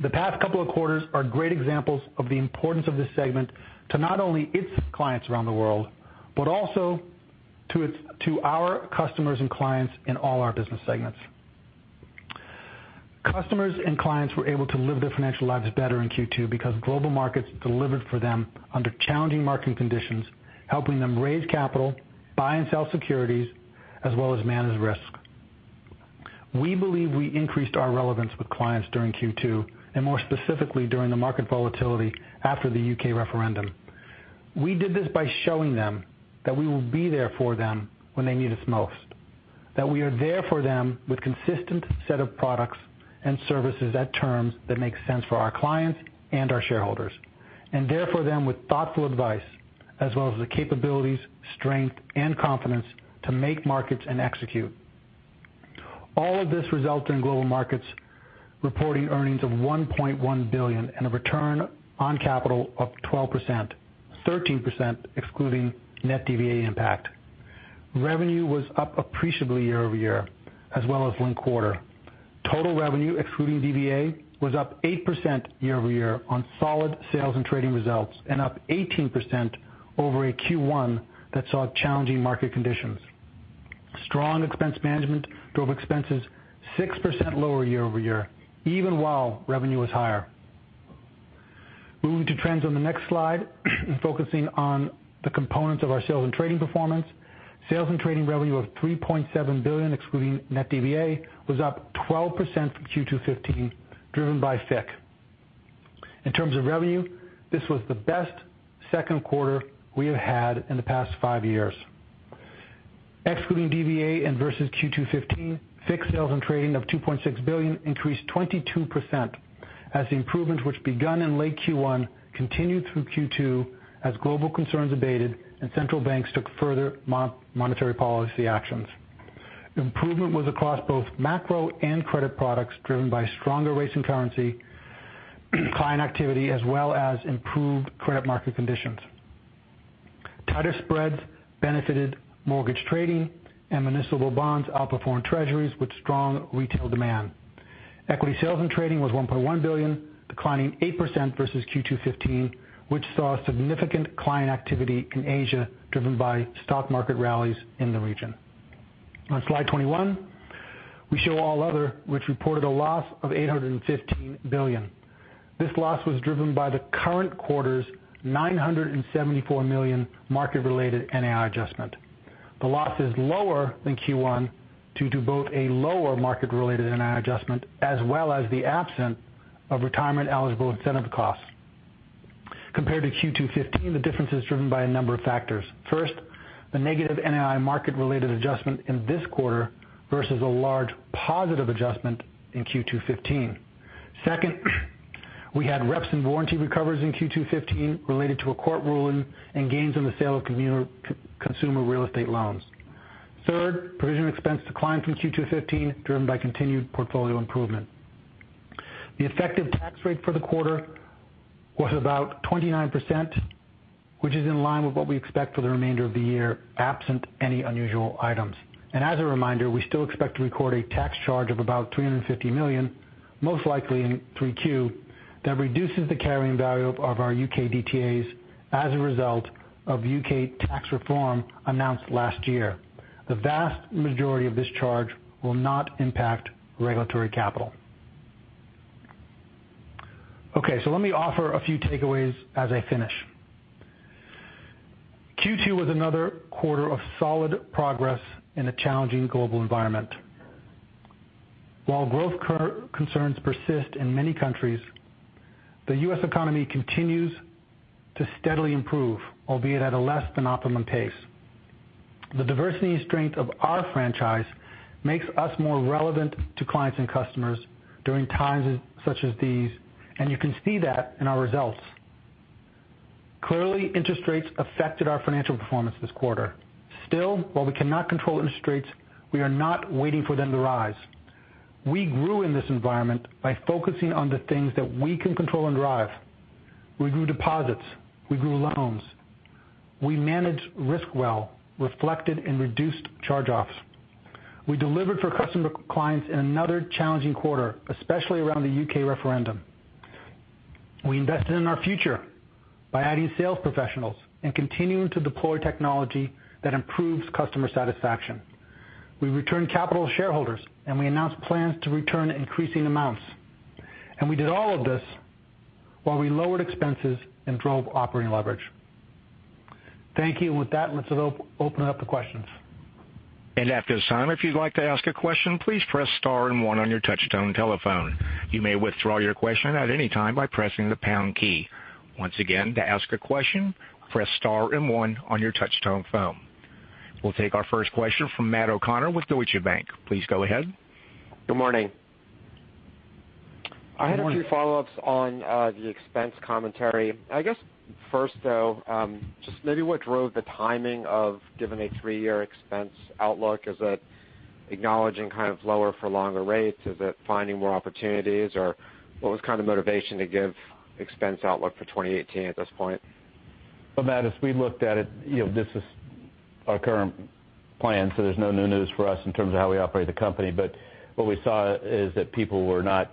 The past couple of quarters are great examples of the importance of this segment to not only its clients around the world, but also to our customers and clients in all our business segments. Customers and clients were able to live their financial lives better in Q2 because Global Markets delivered for them under challenging market conditions, helping them raise capital, buy and sell securities, as well as manage risk. We believe we increased our relevance with clients during Q2, and more specifically, during the market volatility after the U.K. referendum. We did this by showing them that we will be there for them when they need us most, that we are there for them with consistent set of products and services at terms that make sense for our clients and our shareholders. There for them with thoughtful advice, as well as the capabilities, strength, and confidence to make markets and execute. All of this results in Global Markets reporting earnings of $1.1 billion and a return on capital of 12%, 13% excluding net DVA impact. Revenue was up appreciably year-over-year as well as linked quarter. Total revenue, excluding DVA, was up 8% year-over-year on solid sales and trading results, and up 18% over a Q1 that saw challenging market conditions. Strong expense management drove expenses 6% lower year-over-year, even while revenue was higher. Moving to trends on the next slide and focusing on the components of our sales and trading performance. Sales and trading revenue of $3.7 billion, excluding net DVA, was up 12% from Q2 '15, driven by FICC. In terms of revenue, this was the best second quarter we have had in the past five years. Excluding DVA and versus Q2 '15, FICC sales and trading of $2.6 billion increased 22% as the improvements which begun in late Q1 continued through Q2 as global concerns abated and central banks took further monetary policy actions. Improvement was across both macro and credit products, driven by stronger rates and currency, client activity, as well as improved credit market conditions. Tighter spreads benefited mortgage trading, and municipal bonds outperformed treasuries with strong retail demand. Equity sales and trading was $1.1 billion, declining 8% versus Q2 '15, which saw significant client activity in Asia, driven by stock market rallies in the region. On slide 21, we show all other, which reported a loss of $815 million. This loss was driven by the current quarter's $974 million market-related NII adjustment. The loss is lower than Q1 due to both a lower market-related NII adjustment as well as the absence of retirement-eligible incentive costs. Compared to Q2 '15, the difference is driven by a number of factors. First, the negative NII market-related adjustment in this quarter versus a large positive adjustment in Q2 '15. Second, we had reps and warranty recoveries in Q2 '15 related to a court ruling and gains on the sale of consumer real estate loans. Third, provision expense declined from Q2 '15, driven by continued portfolio improvement. The effective tax rate for the quarter was about 29%, which is in line with what we expect for the remainder of the year, absent any unusual items. As a reminder, we still expect to record a tax charge of about $350 million, most likely in 3Q, that reduces the carrying value of our U.K. DTAs as a result of U.K. tax reform announced last year. The vast majority of this charge will not impact regulatory capital. Let me offer a few takeaways as I finish. Q2 was another quarter of solid progress in a challenging global environment. While growth concerns persist in many countries, the U.S. economy continues to steadily improve, albeit at a less than optimum pace. The diversity and strength of our franchise makes us more relevant to clients and customers during times such as these, you can see that in our results. Clearly, interest rates affected our financial performance this quarter. Still, while we cannot control interest rates, we are not waiting for them to rise. We grew in this environment by focusing on the things that we can control and drive. We grew deposits. We grew loans. We managed risk well, reflected in reduced charge-offs. We delivered for customer clients in another challenging quarter, especially around the U.K. referendum. We invested in our future by adding sales professionals and continuing to deploy technology that improves customer satisfaction. We returned capital to shareholders, we announced plans to return increasing amounts. We did all of this while we lowered expenses and drove operating leverage. Thank you. With that, let's open it up to questions. At this time, if you'd like to ask a question, please press star and one on your touch-tone telephone. You may withdraw your question at any time by pressing the pound key. Once again, to ask a question, press star and one on your touch-tone phone. We'll take our first question from Matthew O'Connor with Deutsche Bank. Please go ahead. Good morning. Good morning. I had a few follow-ups on the expense commentary. I guess first, though, just maybe what drove the timing of giving a three-year expense outlook. Is it acknowledging kind of lower for longer rates? Is it finding more opportunities, or what was kind of the motivation to give expense outlook for 2018 at this point? Well, Matt, as we looked at it, this is our current plan. There's no new news for us in terms of how we operate the company. What we saw is that people were not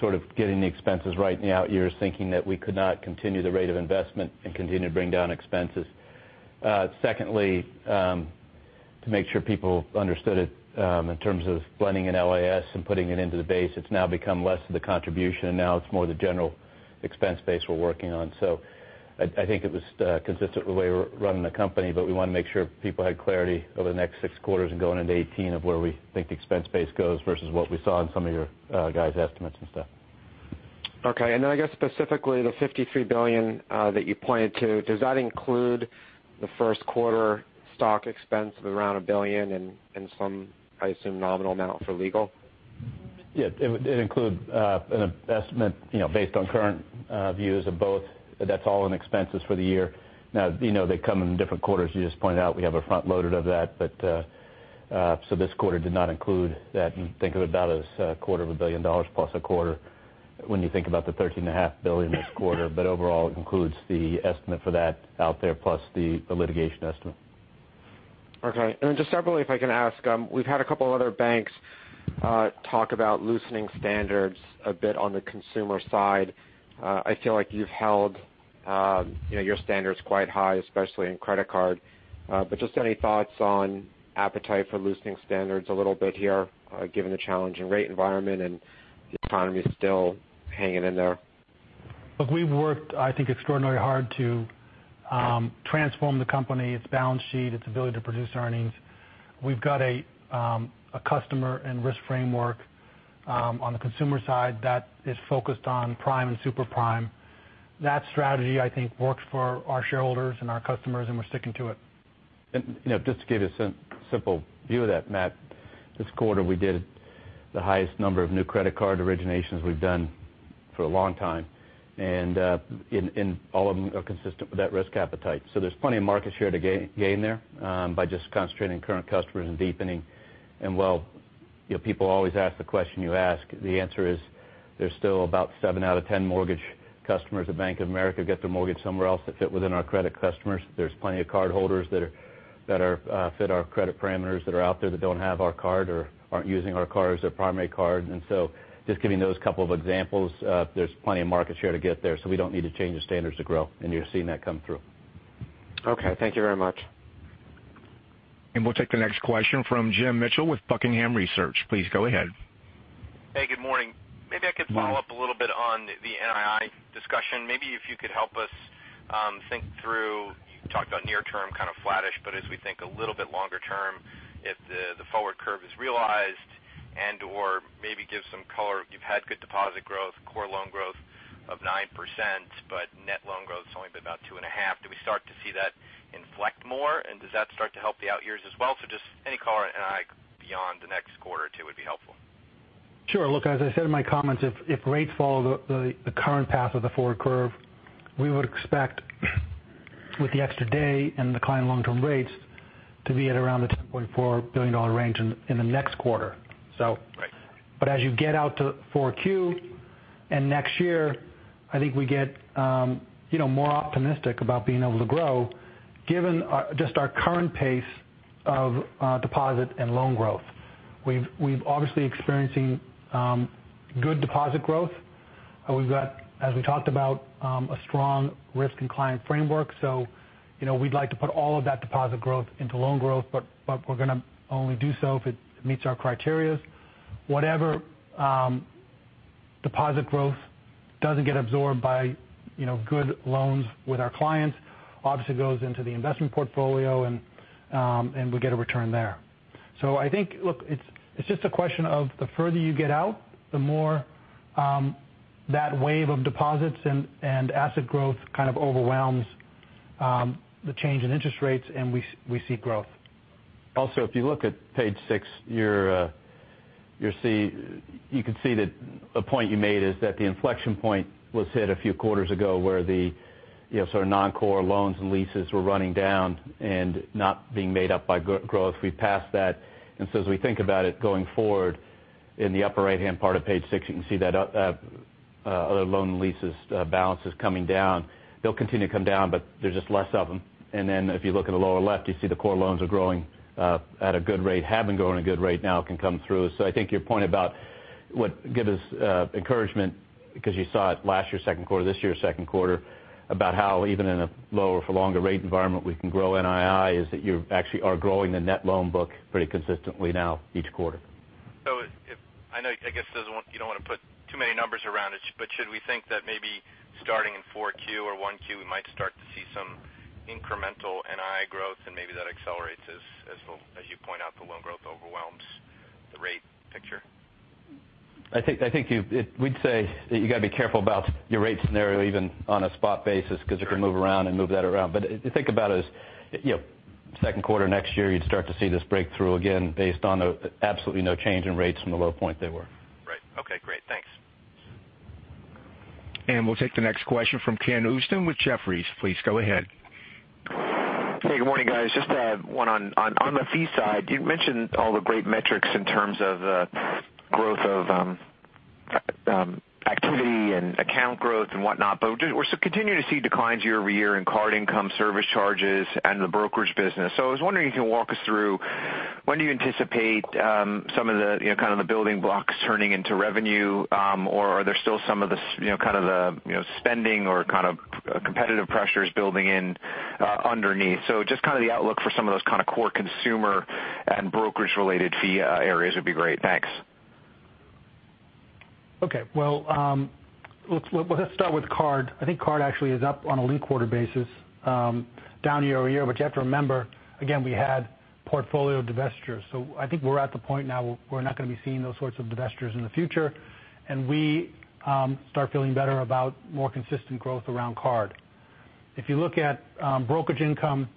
sort of getting the expenses right in the out years, thinking that we could not continue the rate of investment and continue to bring down expenses. Secondly, to make sure people understood it in terms of blending in LAS and putting it into the base, it's now become less of the contribution. Now it's more the general expense base we're working on. I think it was consistent with the way we're running the company, but we want to make sure people had clarity over the next six quarters and going into 2018 of where we think the expense base goes versus what we saw in some of your guys' estimates and stuff. Okay. I guess specifically the $53 billion that you pointed to, does that include the first quarter stock expense of around $1 billion and some, I assume, nominal amount for legal? Yeah, it includes an investment based on current views of both. That's all in expenses for the year. Now, they come in different quarters. You just pointed out we have a front-loaded of that. This quarter did not include that. Think of it about as a quarter of a billion dollars plus a quarter. When you think about the $13.5 billion this quarter, overall, it includes the estimate for that out there plus the litigation estimate. Okay. Just separately, if I can ask, we've had a couple other banks talk about loosening standards a bit on the consumer side. I feel like you've held your standards quite high, especially in credit card. Just any thoughts on appetite for loosening standards a little bit here, given the challenging rate environment and the economy still hanging in there? Look, we've worked, I think, extraordinarily hard to transform the company, its balance sheet, its ability to produce earnings. We've got a customer and risk framework on the consumer side that is focused on prime and super prime. That strategy, I think, works for our shareholders and our customers, and we're sticking to it. Just to give you a simple view of that, Matt, this quarter, we did the highest number of new credit card originations we've done for a long time, and all of them are consistent with that risk appetite. There's plenty of market share to gain there by just concentrating current customers and deepening. While people always ask the question you ask, the answer is there's still about seven out of 10 mortgage customers at Bank of America get their mortgage somewhere else that fit within our credit customers. There's plenty of cardholders that fit our credit parameters that are out there that don't have our card or aren't using our card as their primary card. Just giving those couple of examples, there's plenty of market share to get there, so we don't need to change the standards to grow, and you're seeing that come through. Okay. Thank you very much. We'll take the next question from James Mitchell with Buckingham Research. Please go ahead. Hey, good morning. Maybe I could follow up a little bit on the NII discussion. Maybe if you could help us think through, you talked about near term kind of flattish, but as we think a little bit longer term, if the forward curve is realized and/or maybe give some color. You've had good deposit growth, core loan growth of 9%, but net loan growth's only been about 2.5%. Do we start to see that inflect more, and does that start to help the out years as well? Just any color on NII beyond the next quarter or two would be helpful. Sure. Look, as I said in my comments, if rates follow the current path of the forward curve, we would expect with the extra day and decline in long-term rates to be at around the $10.4 billion range in the next quarter. Right. As you get out to 4Q and next year, I think we get more optimistic about being able to grow given just our current pace of deposit and loan growth. We've obviously experiencing good deposit growth. We've got, as we talked about, a strong risk and client framework. We'd like to put all of that deposit growth into loan growth, but we're going to only do so if it meets our criteria. Whatever deposit growth doesn't get absorbed by good loans with our clients obviously goes into the investment portfolio, and we get a return there. I think, look, it's just a question of the further you get out, the more that wave of deposits and asset growth kind of overwhelms the change in interest rates, and we see growth. If you look at page six, you can see that a point you made is that the inflection point was hit a few quarters ago where the sort of non-core loans and leases were running down and not being made up by growth. We've passed that, as we think about it going forward, in the upper right-hand part of page six, you can see that other loan leases balance is coming down. They'll continue to come down, but there's just less of them. If you look at the lower left, you see the core loans are growing at a good rate, have been growing a good rate, now can come through. I think your point about what give us encouragement because you saw it last year second quarter, this year second quarter, about how even in a lower for longer rate environment, we can grow NII is that you actually are growing the net loan book pretty consistently now each quarter. I guess you don't want to put too many numbers around it, but should we think that maybe starting in 4Q or 1Q, we might start to see some incremental NII growth and maybe that accelerates as you point out, the loan growth overwhelms the rate picture? I think we'd say that you got to be careful about your rate scenario even on a spot basis because it could move around and move that around. Think about it as second quarter next year, you'd start to see this breakthrough again based on absolutely no change in rates from the low point they were. Right. Okay, great. Thanks. We'll take the next question from Kenneth Usdin with Jefferies. Please go ahead. Hey, good morning, guys. Just one on the fee side. You mentioned all the great metrics in terms of growth of activity and account growth and whatnot, we're continuing to see declines year-over-year in card income, service charges, and the brokerage business. I was wondering if you can walk us through when do you anticipate some of the building blocks turning into revenue? Or are there still some of the spending or kind of competitive pressures building in underneath? Just kind of the outlook for some of those kind of core consumer and brokerage-related fee areas would be great. Thanks. Okay. Let's start with card. I think card actually is up on a linked quarter basis, down year-over-year. You have to remember, again, we had portfolio divestitures. I think we're at the point now where we're not going to be seeing those sorts of divestitures in the future, and we start feeling better about more consistent growth around card. If you look at brokerage income,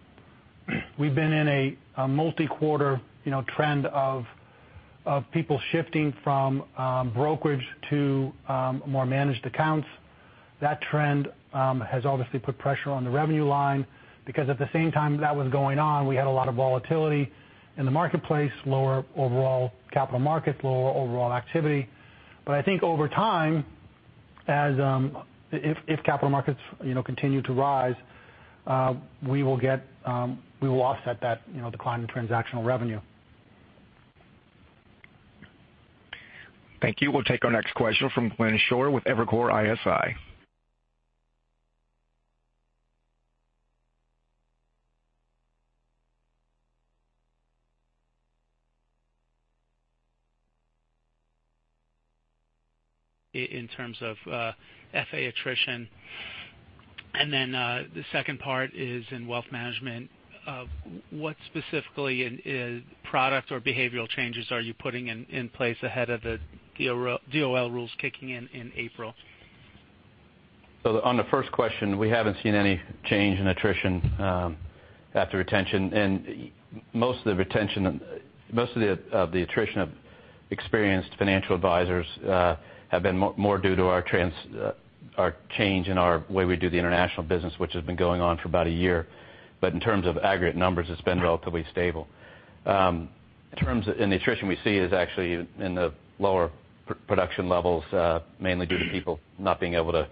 we've been in a multi-quarter trend of people shifting from brokerage to more managed accounts. That trend has obviously put pressure on the revenue line because at the same time that was going on, we had a lot of volatility in the marketplace, lower overall capital markets, lower overall activity. I think over time, if capital markets continue to rise, we will offset that decline in transactional revenue. Thank you. We'll take our next question from Glenn Schorr with Evercore ISI. In terms of FA attrition. The second part is in wealth management. What specifically in product or behavioral changes are you putting in place ahead of the DOL rules kicking in in April? On the first question, we haven't seen any change in attrition at the retention. Most of the attrition of experienced financial advisors have been more due to our change in our way we do the international business, which has been going on for about a year. In terms of aggregate numbers, it's been relatively stable. The attrition we see is actually in the lower production levels mainly due to people not being able to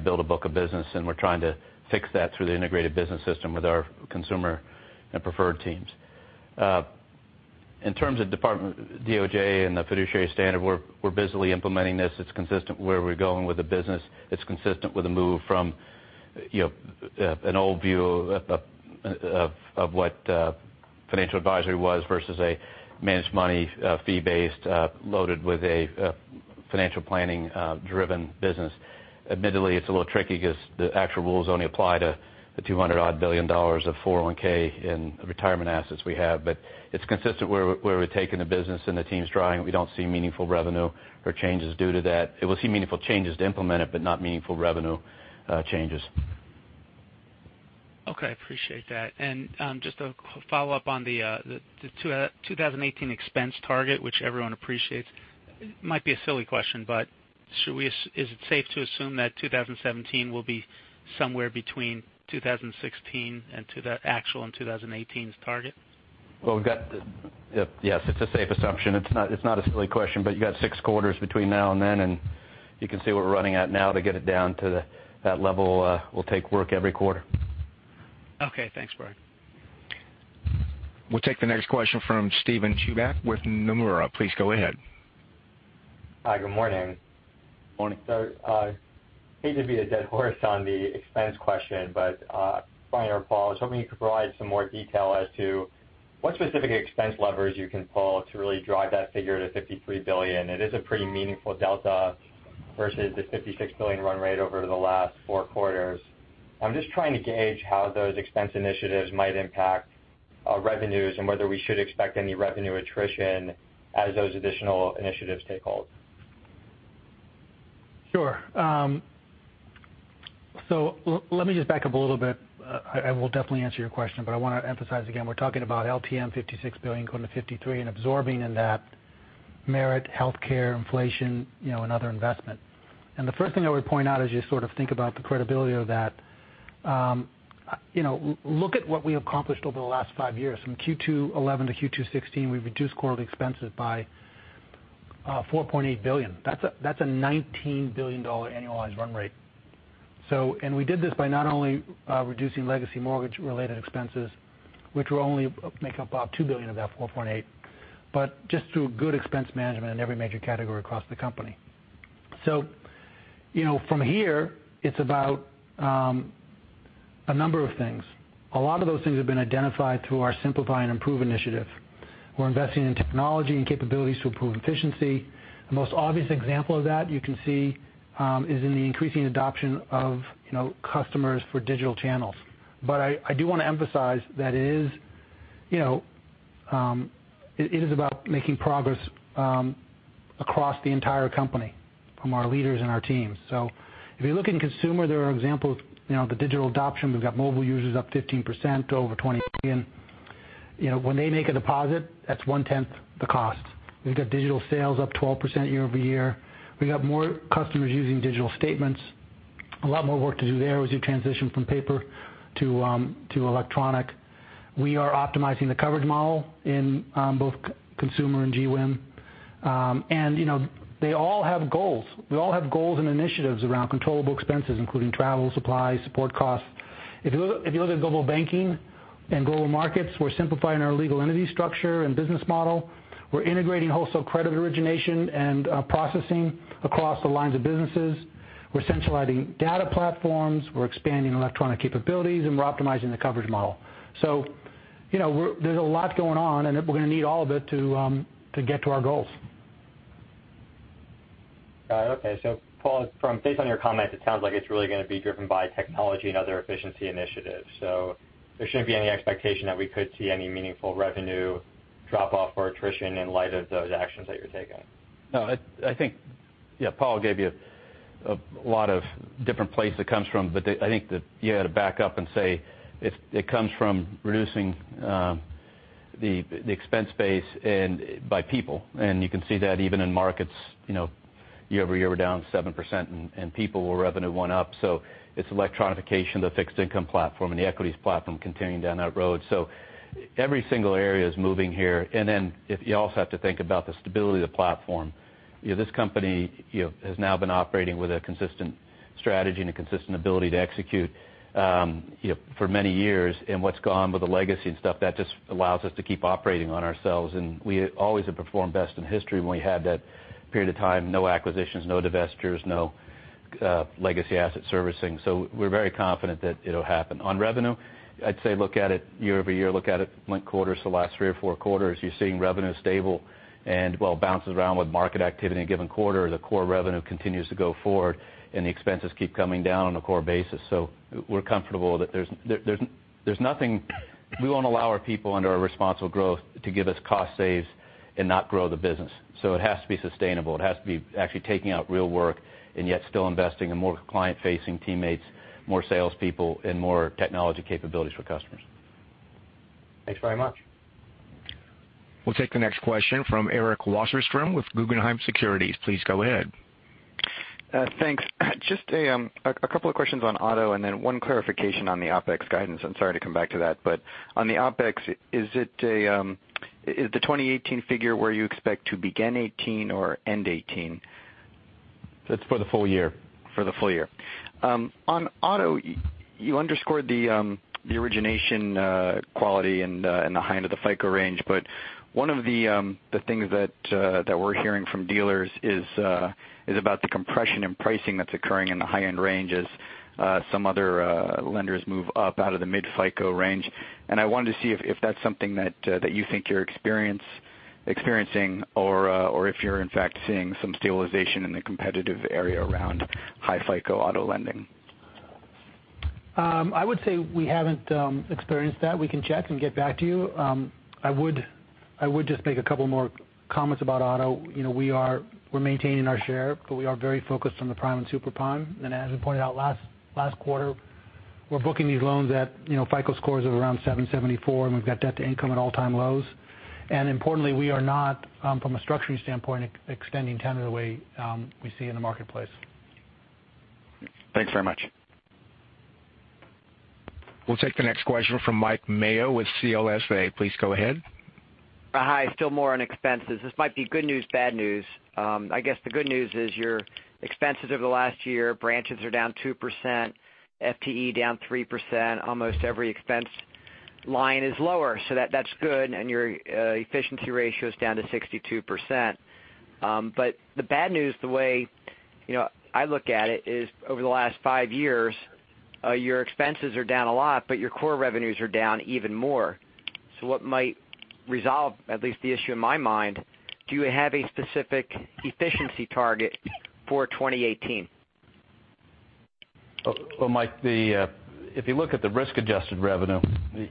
build a book of business, and we're trying to fix that through the integrated business system with our consumer and preferred teams. In terms of department, DOL, and the fiduciary standard, we're busily implementing this. It's consistent where we're going with the business. It's consistent with a move from an old view of what financial advisory was versus a managed money, fee-based, loaded with a financial planning-driven business. Admittedly, it's a little tricky because the actual rules only apply to the $200-odd billion of 401 in retirement assets we have. It's consistent where we're taking the business, and the team's trying. We don't see meaningful revenue or changes due to that. It will see meaningful changes to implement it, but not meaningful revenue changes. Okay, appreciate that. Just a follow-up on the 2018 expense target, which everyone appreciates. Might be a silly question, is it safe to assume that 2017 will be somewhere between 2016 and to the actual and 2018's target? Well, yes, it's a safe assumption. It's not a silly question, you got six quarters between now and then, you can see what we're running at now to get it down to that level will take work every quarter. Okay, thanks, Brian. We'll take the next question from Steven Chubak with Nomura. Please go ahead. Hi, good morning. Morning. I hate to beat a dead horse on the expense question, but Brian or Paul, I was hoping you could provide some more detail as to what specific expense levers you can pull to really drive that figure to $53. It is a pretty meaningful delta versus the $56 billion run rate over the last four quarters. I'm just trying to gauge how those expense initiatives might impact our revenues and whether we should expect any revenue attrition as those additional initiatives take hold. Sure. Let me just back up a little bit. I will definitely answer your question, but I want to emphasize again, we're talking about LTM $56 billion going to $53 and absorbing in that merit, healthcare, inflation, and other investment. The first thing I would point out as you sort of think about the credibility of that, look at what we accomplished over the last five years. From Q2 2011 to Q2 2016, we've reduced quarterly expenses by $4.8 billion. That's a $19 billion annualized run rate. We did this by not only reducing legacy mortgage-related expenses, which will only make up about $2 billion of that $4.8, but just through good expense management in every major category across the company. From here, it's about a number of things. A lot of those things have been identified through our Simplify and Improve initiative. We're investing in technology and capabilities to improve efficiency. The most obvious example of that you can see is in the increasing adoption of customers for digital channels. I do want to emphasize that it is about making progress across the entire company, from our leaders and our teams. If you look in Consumer, there are examples. The digital adoption, we've got mobile users up 15% to over 20 million. When they make a deposit, that's one-tenth the cost. We've got digital sales up 12% year-over-year. We have more customers using digital statements. A lot more work to do there as you transition from paper to electronic. We are optimizing the coverage model in both Consumer and GWIM. They all have goals. We all have goals and initiatives around controllable expenses, including travel, supplies, support costs. If you look at Global Banking and Global Markets, we're simplifying our legal entity structure and business model. We're integrating wholesale credit origination and processing across the lines of businesses. We're centralizing data platforms. We're expanding electronic capabilities, and we're optimizing the coverage model. There's a lot going on, and we're going to need all of it to get to our goals. Got it. Okay. Paul, based on your comments, it sounds like it's really going to be driven by technology and other efficiency initiatives. There shouldn't be any expectation that we could see any meaningful revenue drop-off or attrition in light of those actions that you're taking. No, I think, yeah, Paul gave you a lot of different places it comes from. I think that you got to back up and say it comes from reducing the expense base and by people. You can see that even in markets, year-over-year we're down 7%, and people, where revenue went up. It's electronification, the fixed income platform and the equities platform continuing down that road. Every single area is moving here. You also have to think about the stability of the platform. This company has now been operating with a consistent strategy and a consistent ability to execute for many years. What's gone with the legacy and stuff, that just allows us to keep operating on ourselves. We always have performed best in history when we had that period of time, no acquisitions, no divestitures, no Legacy Assets and Servicing. We're very confident that it'll happen. On revenue, I'd say look at it year-over-year, look at it linked quarter. The last three or four quarters, you're seeing revenue stable and while it bounces around with market activity in a given quarter, the core revenue continues to go forward and the expenses keep coming down on a core basis. We're comfortable that there's nothing. We won't allow our people under our responsible growth to give us cost saves and not grow the business. It has to be sustainable. It has to be actually taking out real work and yet still investing in more client-facing teammates, more salespeople, and more technology capabilities for customers. Thanks very much. We'll take the next question from Eric Wasserstrom with Guggenheim Securities. Please go ahead. Thanks. Just a couple of questions on auto and then one clarification on the OpEx guidance. I'm sorry to come back to that, on the OpEx, is the 2018 figure where you expect to begin 2018 or end 2018? It's for the full year. For the full year. On auto, you underscored the origination quality and the high end of the FICO range. One of the things that we're hearing from dealers is about the compression in pricing that's occurring in the high-end range as some other lenders move up out of the mid-FICO range. I wanted to see if that's something that you think you're experiencing or if you're in fact seeing some stabilization in the competitive area around high-FICO auto lending. I would say we haven't experienced that. We can check and get back to you. I would just make a couple more comments about auto. We're maintaining our share, but we are very focused on the prime and super prime. As we pointed out last quarter, we're booking these loans at FICO scores of around 774, and we've got debt-to-income at all-time lows. Importantly, we are not, from a structuring standpoint, extending tenor the way we see in the marketplace. Thanks very much. We'll take the next question from Mike Mayo with CLSA. Please go ahead. Hi. Still more on expenses. This might be good news, bad news. I guess the good news is your expenses over the last year, branches are down 2%, FTE down 3%, almost every expense line is lower, that's good. The bad news, the way I look at it, is over the last five years, your expenses are down a lot, but your core revenues are down even more. What might resolve, at least the issue in my mind, do you have a specific efficiency target for 2018? Well, Mike, if you look at the risk-adjusted revenue,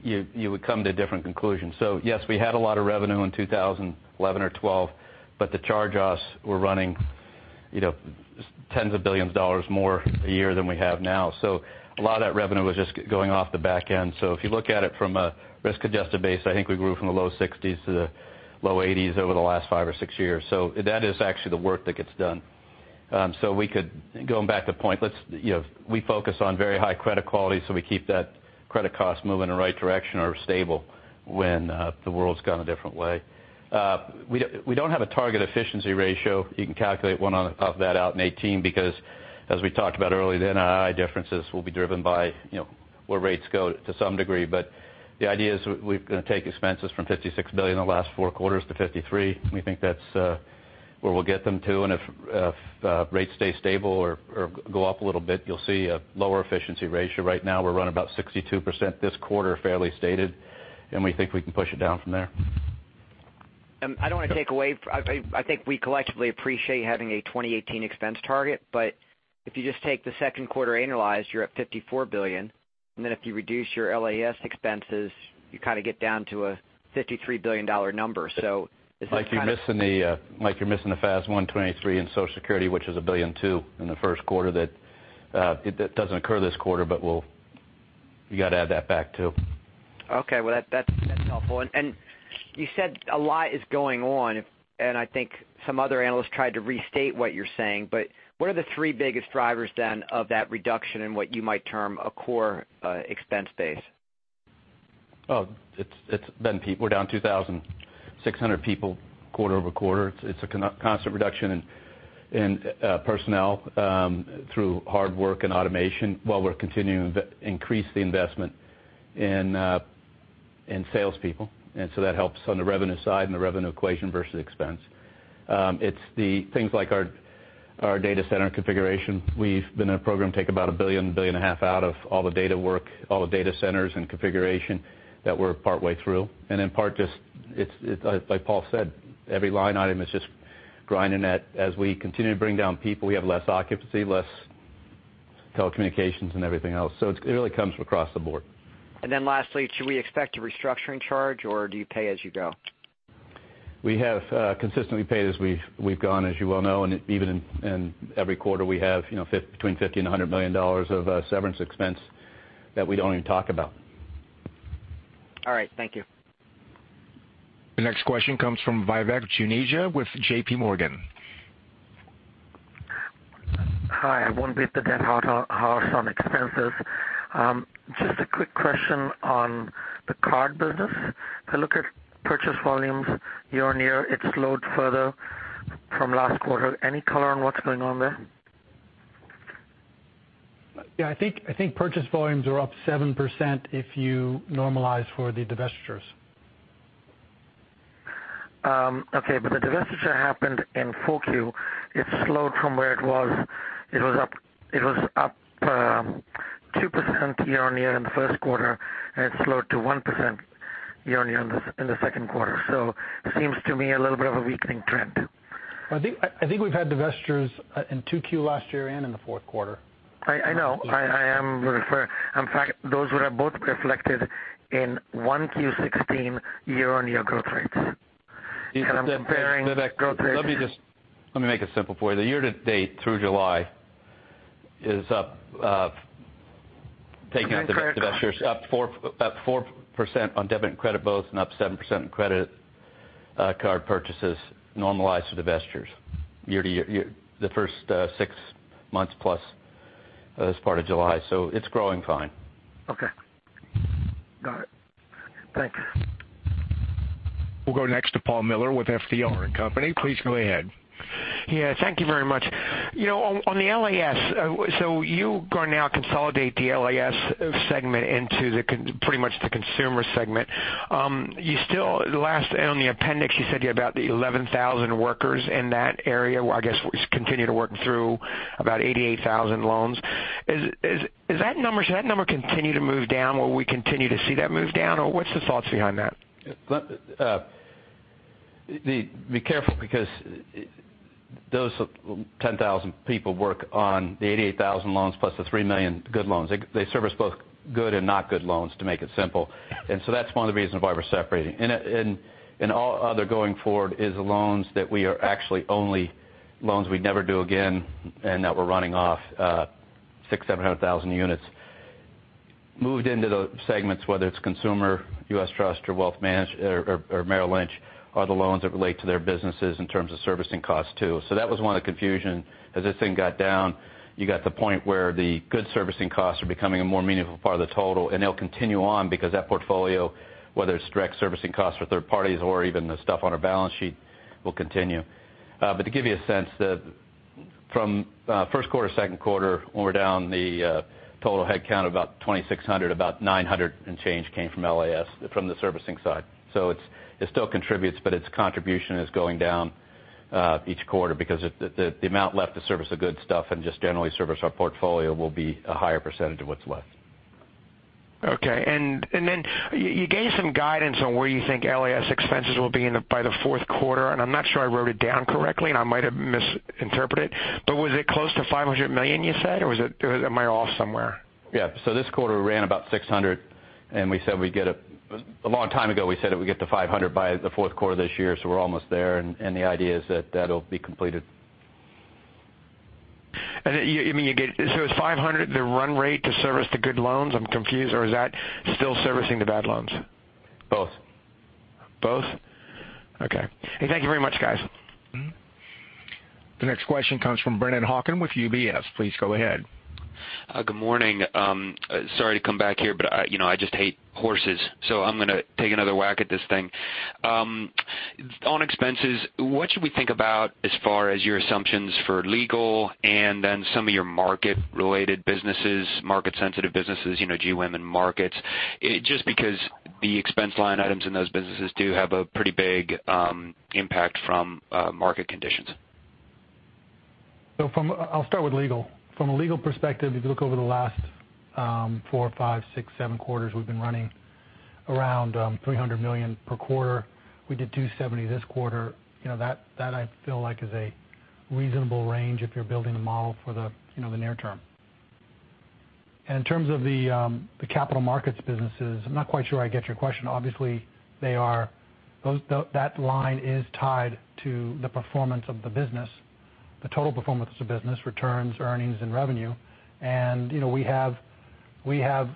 you would come to a different conclusion. Yes, we had a lot of revenue in 2011 or 2012, but the charge-offs were running tens of billions of dollars more a year than we have now. A lot of that revenue was just going off the back end. If you look at it from a risk-adjusted base, I think we grew from the low 60s to the low 80s over the last five or six years. That is actually the work that gets done. We could, going back to point, we focus on very high credit quality, so we keep that credit cost moving in the right direction or stable when the world's gone a different way. We don't have a target efficiency ratio. You can calculate one of that out in 2018 because as we talked about earlier, the NII differences will be driven by where rates go to some degree. The idea is we're going to take expenses from $56 billion in the last four quarters to $53 billion. We think that's where we'll get them to. If rates stay stable or go up a little bit, you'll see a lower efficiency ratio. Right now, we're running about 62% this quarter, fairly stated, and we think we can push it down from there. I don't want to take away. I think we collectively appreciate having a 2018 expense target. If you just take the second quarter annualized, you're at $54 billion, and then if you reduce your LAS expenses, you kind of get down to a $53 billion number. Is this kind of? Mike, you're missing the FAS 123 in Social Security, which is $1.2 billion in the first quarter that doesn't occur this quarter, you got to add that back, too. Okay. Well, that's helpful. You said a lot is going on, and I think some other analysts tried to restate what you're saying, what are the three biggest drivers then of that reduction in what you might term a core expense base? We're down 2,600 people quarter-over-quarter. It's a constant reduction in personnel through hard work and automation while we're continuing to increase the investment in salespeople. That helps on the revenue side and the revenue equation versus expense. It's the things like our data center configuration. We've been in a program to take about a billion, a billion and a half out of all the data work, all the data centers, and configuration that we're partway through. In part just, it's like Paul said, every line item is just grinding that as we continue to bring down people, we have less occupancy, less telecommunications, and everything else. It really comes across the board. Lastly, should we expect a restructuring charge or do you pay as you go? We have consistently paid as we've gone, as you well know, and even in every quarter, we have between $50 and $100 million of severance expense that we don't even talk about. All right. Thank you. The next question comes from Vivek Juneja with JPMorgan. Hi. I won't beat the dead horse on expenses. Just a quick question on the card business. If I look at purchase volumes year-on-year, it slowed further from last quarter. Any color on what's going on there? Yeah, I think purchase volumes are up 7% if you normalize for the divestitures. Okay. The divestiture happened in 4Q. It slowed from where it was. It was up 2% year-on-year in the first quarter, and it slowed to 1% year-on-year in the second quarter. Seems to me a little bit of a weakening trend. I think we've had divestitures in 2Q last year and in the fourth quarter. I know. In fact, those were both reflected in 1Q 2016 year-on-year growth rates. I'm comparing growth rates. Vivek, let me make it simple for you. The year-to-date through July is up, taking out the divestitures, up 4% on debit and credit both, and up 7% in credit card purchases normalized to divestitures year-to-year, the first six months plus this part of July. It's growing fine. Okay. Got it. Thanks. We'll go next to Paul Miller with FBR & Co. Please go ahead. Yeah, thank you very much. On the LAS, you are going to now consolidate the LAS segment into pretty much the Consumer segment. Last, on the appendix, you said you had about 11,000 workers in that area, I guess, continue to work through about 88,000 loans. Should that number continue to move down? Will we continue to see that move down, or what's the thoughts behind that? Be careful because those 10,000 people work on the 88,000 loans plus the 3 million good loans. They service both good and not good loans, to make it simple. That's one of the reasons why we're separating. All other going forward is loans that we are actually only loans we'd never do again and that we're running off 600,000, 700,000 units. Moved into the segments, whether it's Consumer, U.S. Trust or Merrill Lynch, are the loans that relate to their businesses in terms of servicing costs, too. That was one of the confusion. As this thing got down, you got to the point where the good servicing costs are becoming a more meaningful part of the total, and they'll continue on because that portfolio, whether it's direct servicing costs for third parties or even the stuff on our balance sheet, will continue. To give you a sense, from first quarter to second quarter, when we're down the total head count of about 2,600, about 900 and change came from LAS, from the servicing side. It still contributes, but its contribution is going down each quarter because the amount left to service the good stuff and just generally service our portfolio will be a higher percentage of what's left. Okay. You gave some guidance on where you think LAS expenses will be by the fourth quarter, I'm not sure I wrote it down correctly, I might have misinterpreted. Was it close to $500 million you said, or am I off somewhere? Yeah. This quarter we ran about 600. A long time ago, we said that we'd get to 500 by the fourth quarter this year. We're almost there. The idea is that that'll be completed. You mean, is 500 the run rate to service the good loans? I'm confused. Is that still servicing the bad loans? Both. Both? Okay. Hey, thank you very much, guys. The next question comes from Brennan Hawken with UBS. Please go ahead. Good morning. Sorry to come back here, but I just hate horses, so I'm going to take another whack at this thing. On expenses, what should we think about as far as your assumptions for legal and then some of your market-related businesses, market-sensitive businesses, GM and markets? Because the expense line items in those businesses do have a pretty big impact from market conditions. I'll start with legal. From a legal perspective, if you look over the last four, five, six, seven quarters, we've been running around $300 million per quarter. We did $270 this quarter. That I feel like is a reasonable range if you're building a model for the near term. In terms of the capital markets businesses, I'm not quite sure I get your question. Obviously, that line is tied to the performance of the business, the total performance of business, returns, earnings, and revenue. We have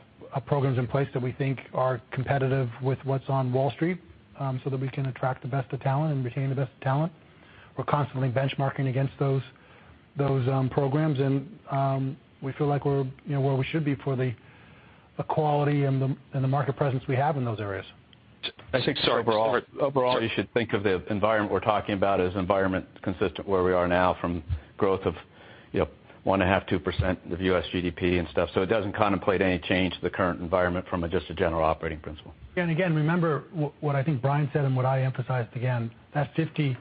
programs in place that we think are competitive with what's on Wall Street so that we can attract the best of talent and retain the best of talent. We're constantly benchmarking against those programs, and we feel like we're where we should be for the quality and the market presence we have in those areas. I think sorry, overall, you should think of the environment we're talking about as an environment consistent where we are now from growth of 1.5, 2% of U.S. GDP and stuff. It doesn't contemplate any change to the current environment from just a general operating principle. Again, remember what I think Brian said and what I emphasized again, that $53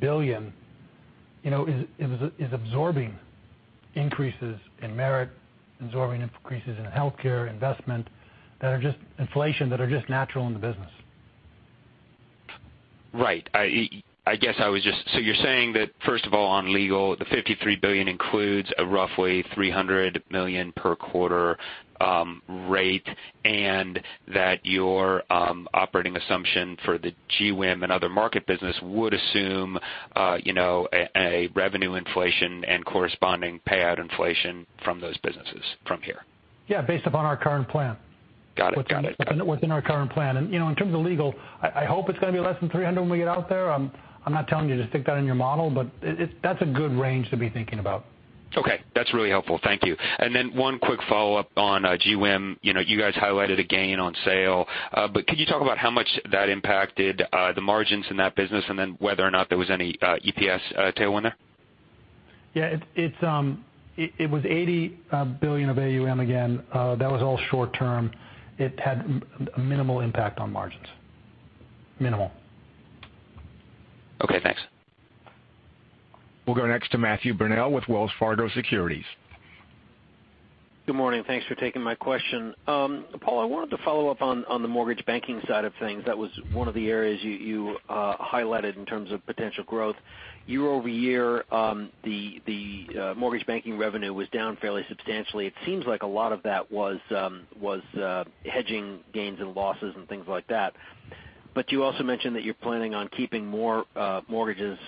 billion is absorbing increases in merit, absorbing increases in healthcare, investment, inflation that are just natural in the business. Right. You're saying that first of all, on legal, the $53 billion includes a roughly $300 million per quarter rate, and that your operating assumption for the GWIM and other market business would assume a revenue inflation and corresponding payout inflation from those businesses from here. Yeah, based upon our current plan. Got it. Within our current plan. In terms of legal, I hope it's going to be less than $300 when we get out there. I'm not telling you to stick that in your model, but that's a good range to be thinking about. Okay. That's really helpful. Thank you. One quick follow-up on GWIM. You guys highlighted a gain on sale. Could you talk about how much that impacted the margins in that business, and then whether or not there was any EPS tailwind there? Yeah. It was $80 billion of AUM again. That was all short-term. It had a minimal impact on margins. Minimal. Okay, thanks. We'll go next to Matthew Burnell with Wells Fargo Securities. Good morning. Thanks for taking my question. Paul, I wanted to follow up on the mortgage banking side of things. That was one of the areas you highlighted in terms of potential growth. Year-over-year, the mortgage banking revenue was down fairly substantially. It seems like a lot of that was hedging gains and losses and things like that. You also mentioned that you're planning on keeping more mortgages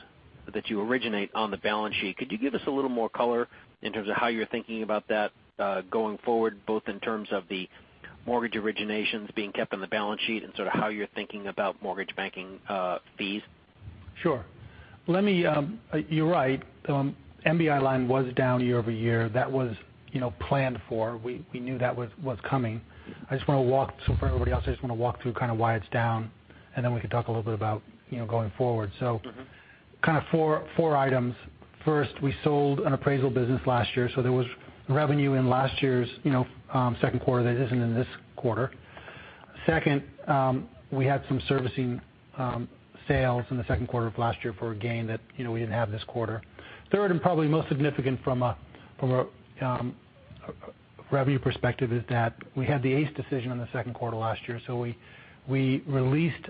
that you originate on the balance sheet. Could you give us a little more color in terms of how you're thinking about that going forward, both in terms of the mortgage originations being kept on the balance sheet, and sort of how you're thinking about mortgage banking fees? Sure. You're right. MBI line was down year-over-year. That was planned for. We knew that was coming. For everybody else, I just want to walk through kind of why it's down, then we can talk a little bit about going forward. Kind of four items. First, we sold an appraisal business last year, there was revenue in last year's second quarter that isn't in this quarter. Second, we had some servicing sales in the second quarter of last year for a gain that we didn't have this quarter. Third, probably most significant from a revenue perspective, is that we had the ACE decision in the second quarter last year. We released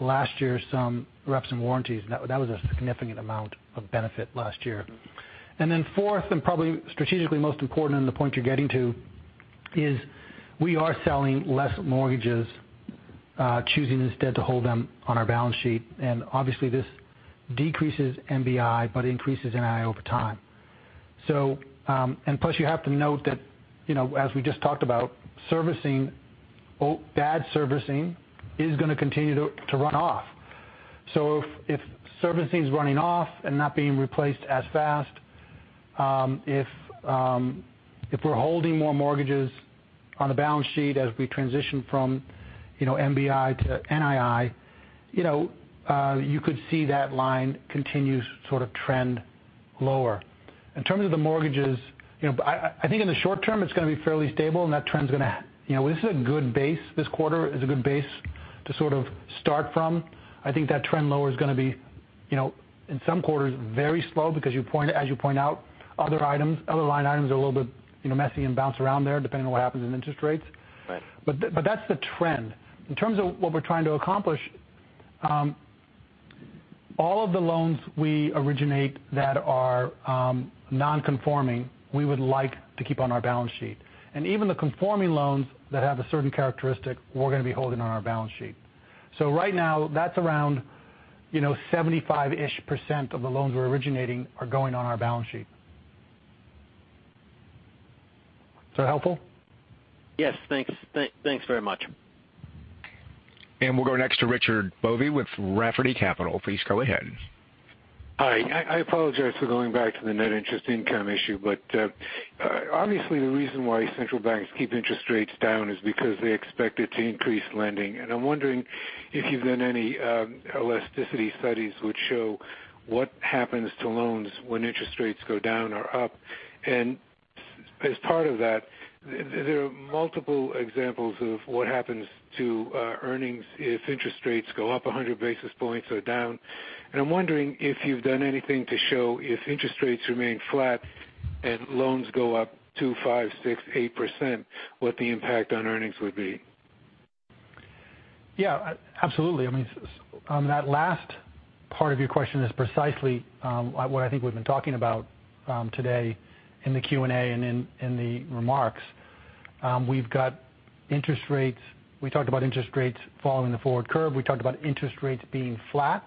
last year some reps and warranties, that was a significant amount of benefit last year. Fourth, probably strategically most important, and the point you're getting to is we are selling less mortgages, choosing instead to hold them on our balance sheet. Obviously this decreases MBI, increases NII over time. Plus, you have to note that, as we just talked about, bad servicing is going to continue to run off. If servicing's running off and not being replaced as fast, if we're holding more mortgages on the balance sheet as we transition from MBI to NII, you could see that line continue sort of trend lower. In terms of the mortgages, I think in the short term, it's going to be fairly stable. This is a good base. This quarter is a good base to sort of start from. I think that trend lower is going to be, in some quarters, very slow because as you point out, other line items are a little bit messy and bounce around there depending on what happens in interest rates. Right. That's the trend. In terms of what we're trying to accomplish, all of the loans we originate that are non-conforming, we would like to keep on our balance sheet. Even the conforming loans that have a certain characteristic, we're going to be holding on our balance sheet. Right now, that's around 75-ish% of the loans we're originating are going on our balance sheet. Is that helpful? Yes. Thanks very much. We'll go next to Richard Bove with Rafferty Capital. Please go ahead. Hi. I apologize for going back to the net interest income issue. Obviously the reason why central banks keep interest rates down is because they expect it to increase lending. I'm wondering if you've done any elasticity studies which show what happens to loans when interest rates go down or up. As part of that, there are multiple examples of what happens to earnings if interest rates go up 100 basis points or down. I'm wondering if you've done anything to show if interest rates remain flat and loans go up 2%, 5%, 6%, 8%, what the impact on earnings would be. Yeah, absolutely. That last part of your question is precisely what I think we've been talking about today in the Q&A and in the remarks. We talked about interest rates following the forward curve. We talked about interest rates being flat.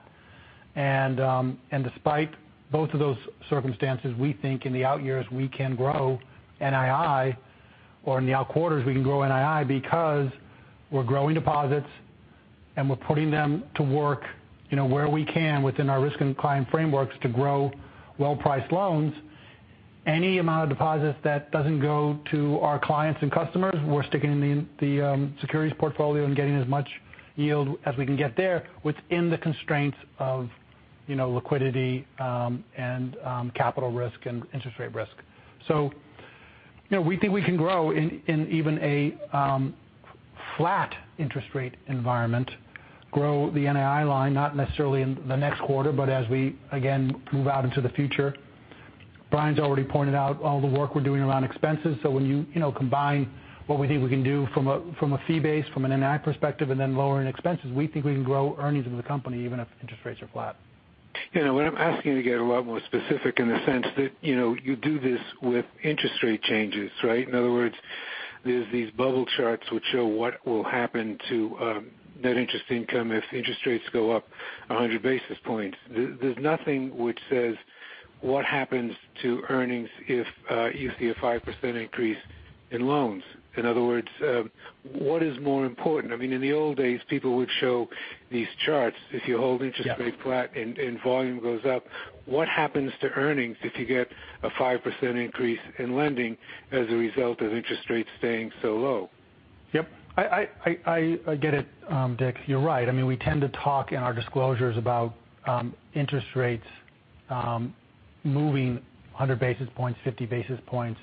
Despite both of those circumstances, we think in the out years we can grow NII, or in the out quarters we can grow NII because we're growing deposits and we're putting them to work where we can within our risk and client frameworks to grow well-priced loans. Any amount of deposits that doesn't go to our clients and customers, we're sticking in the securities portfolio and getting as much yield as we can get there within the constraints of liquidity and capital risk and interest rate risk. We think we can grow in even a flat interest rate environment, grow the NII line, not necessarily in the next quarter, but as we, again, move out into the future. Brian's already pointed out all the work we're doing around expenses. When you combine what we think we can do from a fee base, from an NI perspective, and then lowering expenses, we think we can grow earnings of the company even if interest rates are flat. What I'm asking to get a lot more specific in the sense that you do this with interest rate changes, right? In other words, there's these bubble charts which show what will happen to net interest income if interest rates go up 100 basis points. There's nothing which says what happens to earnings if you see a 5% increase in loans. In other words, what is more important? In the old days, people would show these charts. If you hold interest rates flat- Yeah Volume goes up, what happens to earnings if you get a 5% increase in lending as a result of interest rates staying so low? Yep. I get it, Dick. You're right. We tend to talk in our disclosures about interest rates moving 100 basis points, 50 basis points,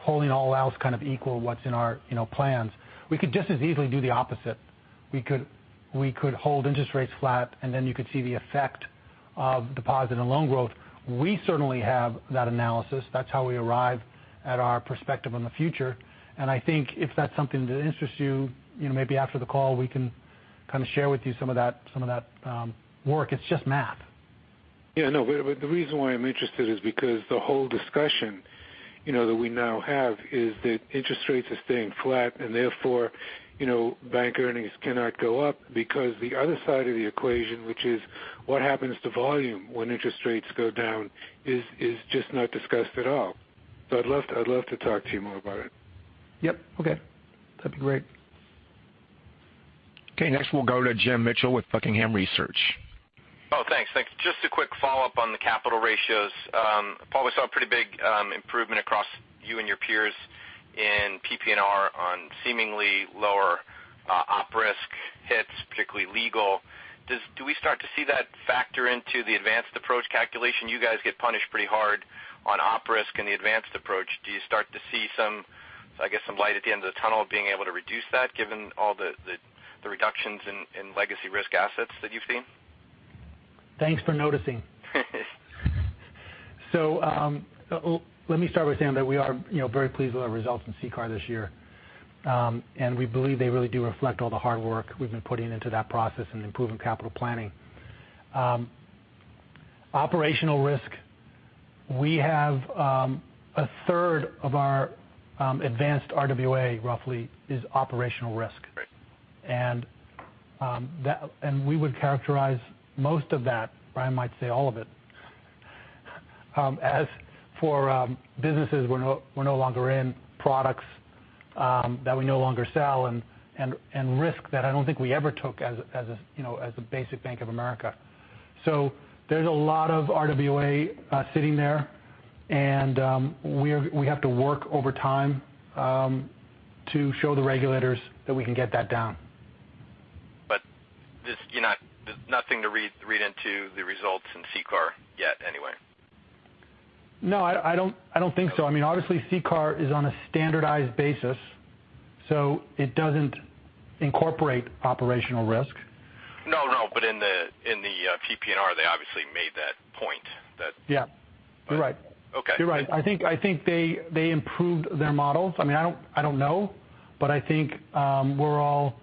holding all else kind of equal what's in our plans. We could just as easily do the opposite. We could hold interest rates flat, then you could see the effect of deposit and loan growth. We certainly have that analysis. That's how we arrive at our perspective on the future, I think if that's something that interests you, maybe after the call, we can kind of share with you some of that work. It's just math. Yeah, no. The reason why I'm interested is because the whole discussion that we now have is that interest rates are staying flat, therefore, bank earnings cannot go up because the other side of the equation, which is what happens to volume when interest rates go down, is just not discussed at all. I'd love to talk to you more about it. Yep. Okay. That'd be great. Next we'll go to James Mitchell with Buckingham Research. Thanks. Just a quick follow-up on the capital ratios. Paul, we saw a pretty big improvement across you and your peers in PPNR on seemingly lower op risk hits, particularly legal. Do we start to see that factor into the advanced approach calculation? You guys get punished pretty hard on op risk in the advanced approach. Do you start to see some light at the end of the tunnel being able to reduce that given all the reductions in legacy risk assets that you've seen? Thanks for noticing. Let me start by saying that we are very pleased with our results in CCAR this year. We believe they really do reflect all the hard work we've been putting into that process and improving capital planning. Operational risk, we have a third of our advanced RWA roughly is operational risk. Right. We would characterize most of that, Brian might say all of it, as for businesses we're no longer in, products that we no longer sell, and risk that I don't think we ever took as the basic Bank of America. There's a lot of RWA sitting there, and we have to work overtime to show the regulators that we can get that down. There's nothing to read into the results in CCAR yet, anyway? I don't think so. Obviously, CCAR is on a standardized basis, so it doesn't incorporate operational risk. In the PPNR, they obviously made that point. Yeah. You're right. Okay. You're right. I think they improved their models. I don't know, but I think we're all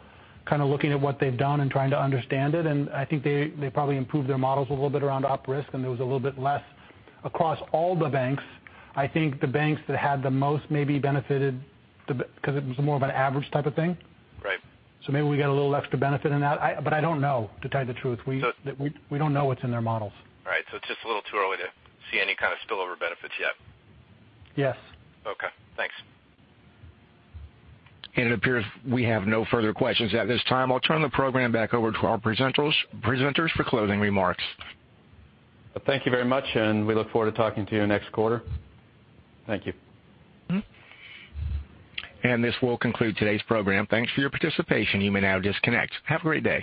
kind of looking at what they've done and trying to understand it, and I think they probably improved their models a little bit around op risk, and there was a little bit less across all the banks. I think the banks that had the most maybe benefited because it was more of an average type of thing. Right. Maybe we got a little extra benefit in that, I don't know, to tell you the truth. We don't know what's in their models. Right. It's just a little too early to see any kind of spillover benefits yet? Yes. Okay. Thanks. It appears we have no further questions at this time. I'll turn the program back over to our presenters for closing remarks. Thank you very much, and we look forward to talking to you next quarter. Thank you. This will conclude today's program. Thanks for your participation. You may now disconnect. Have a great day.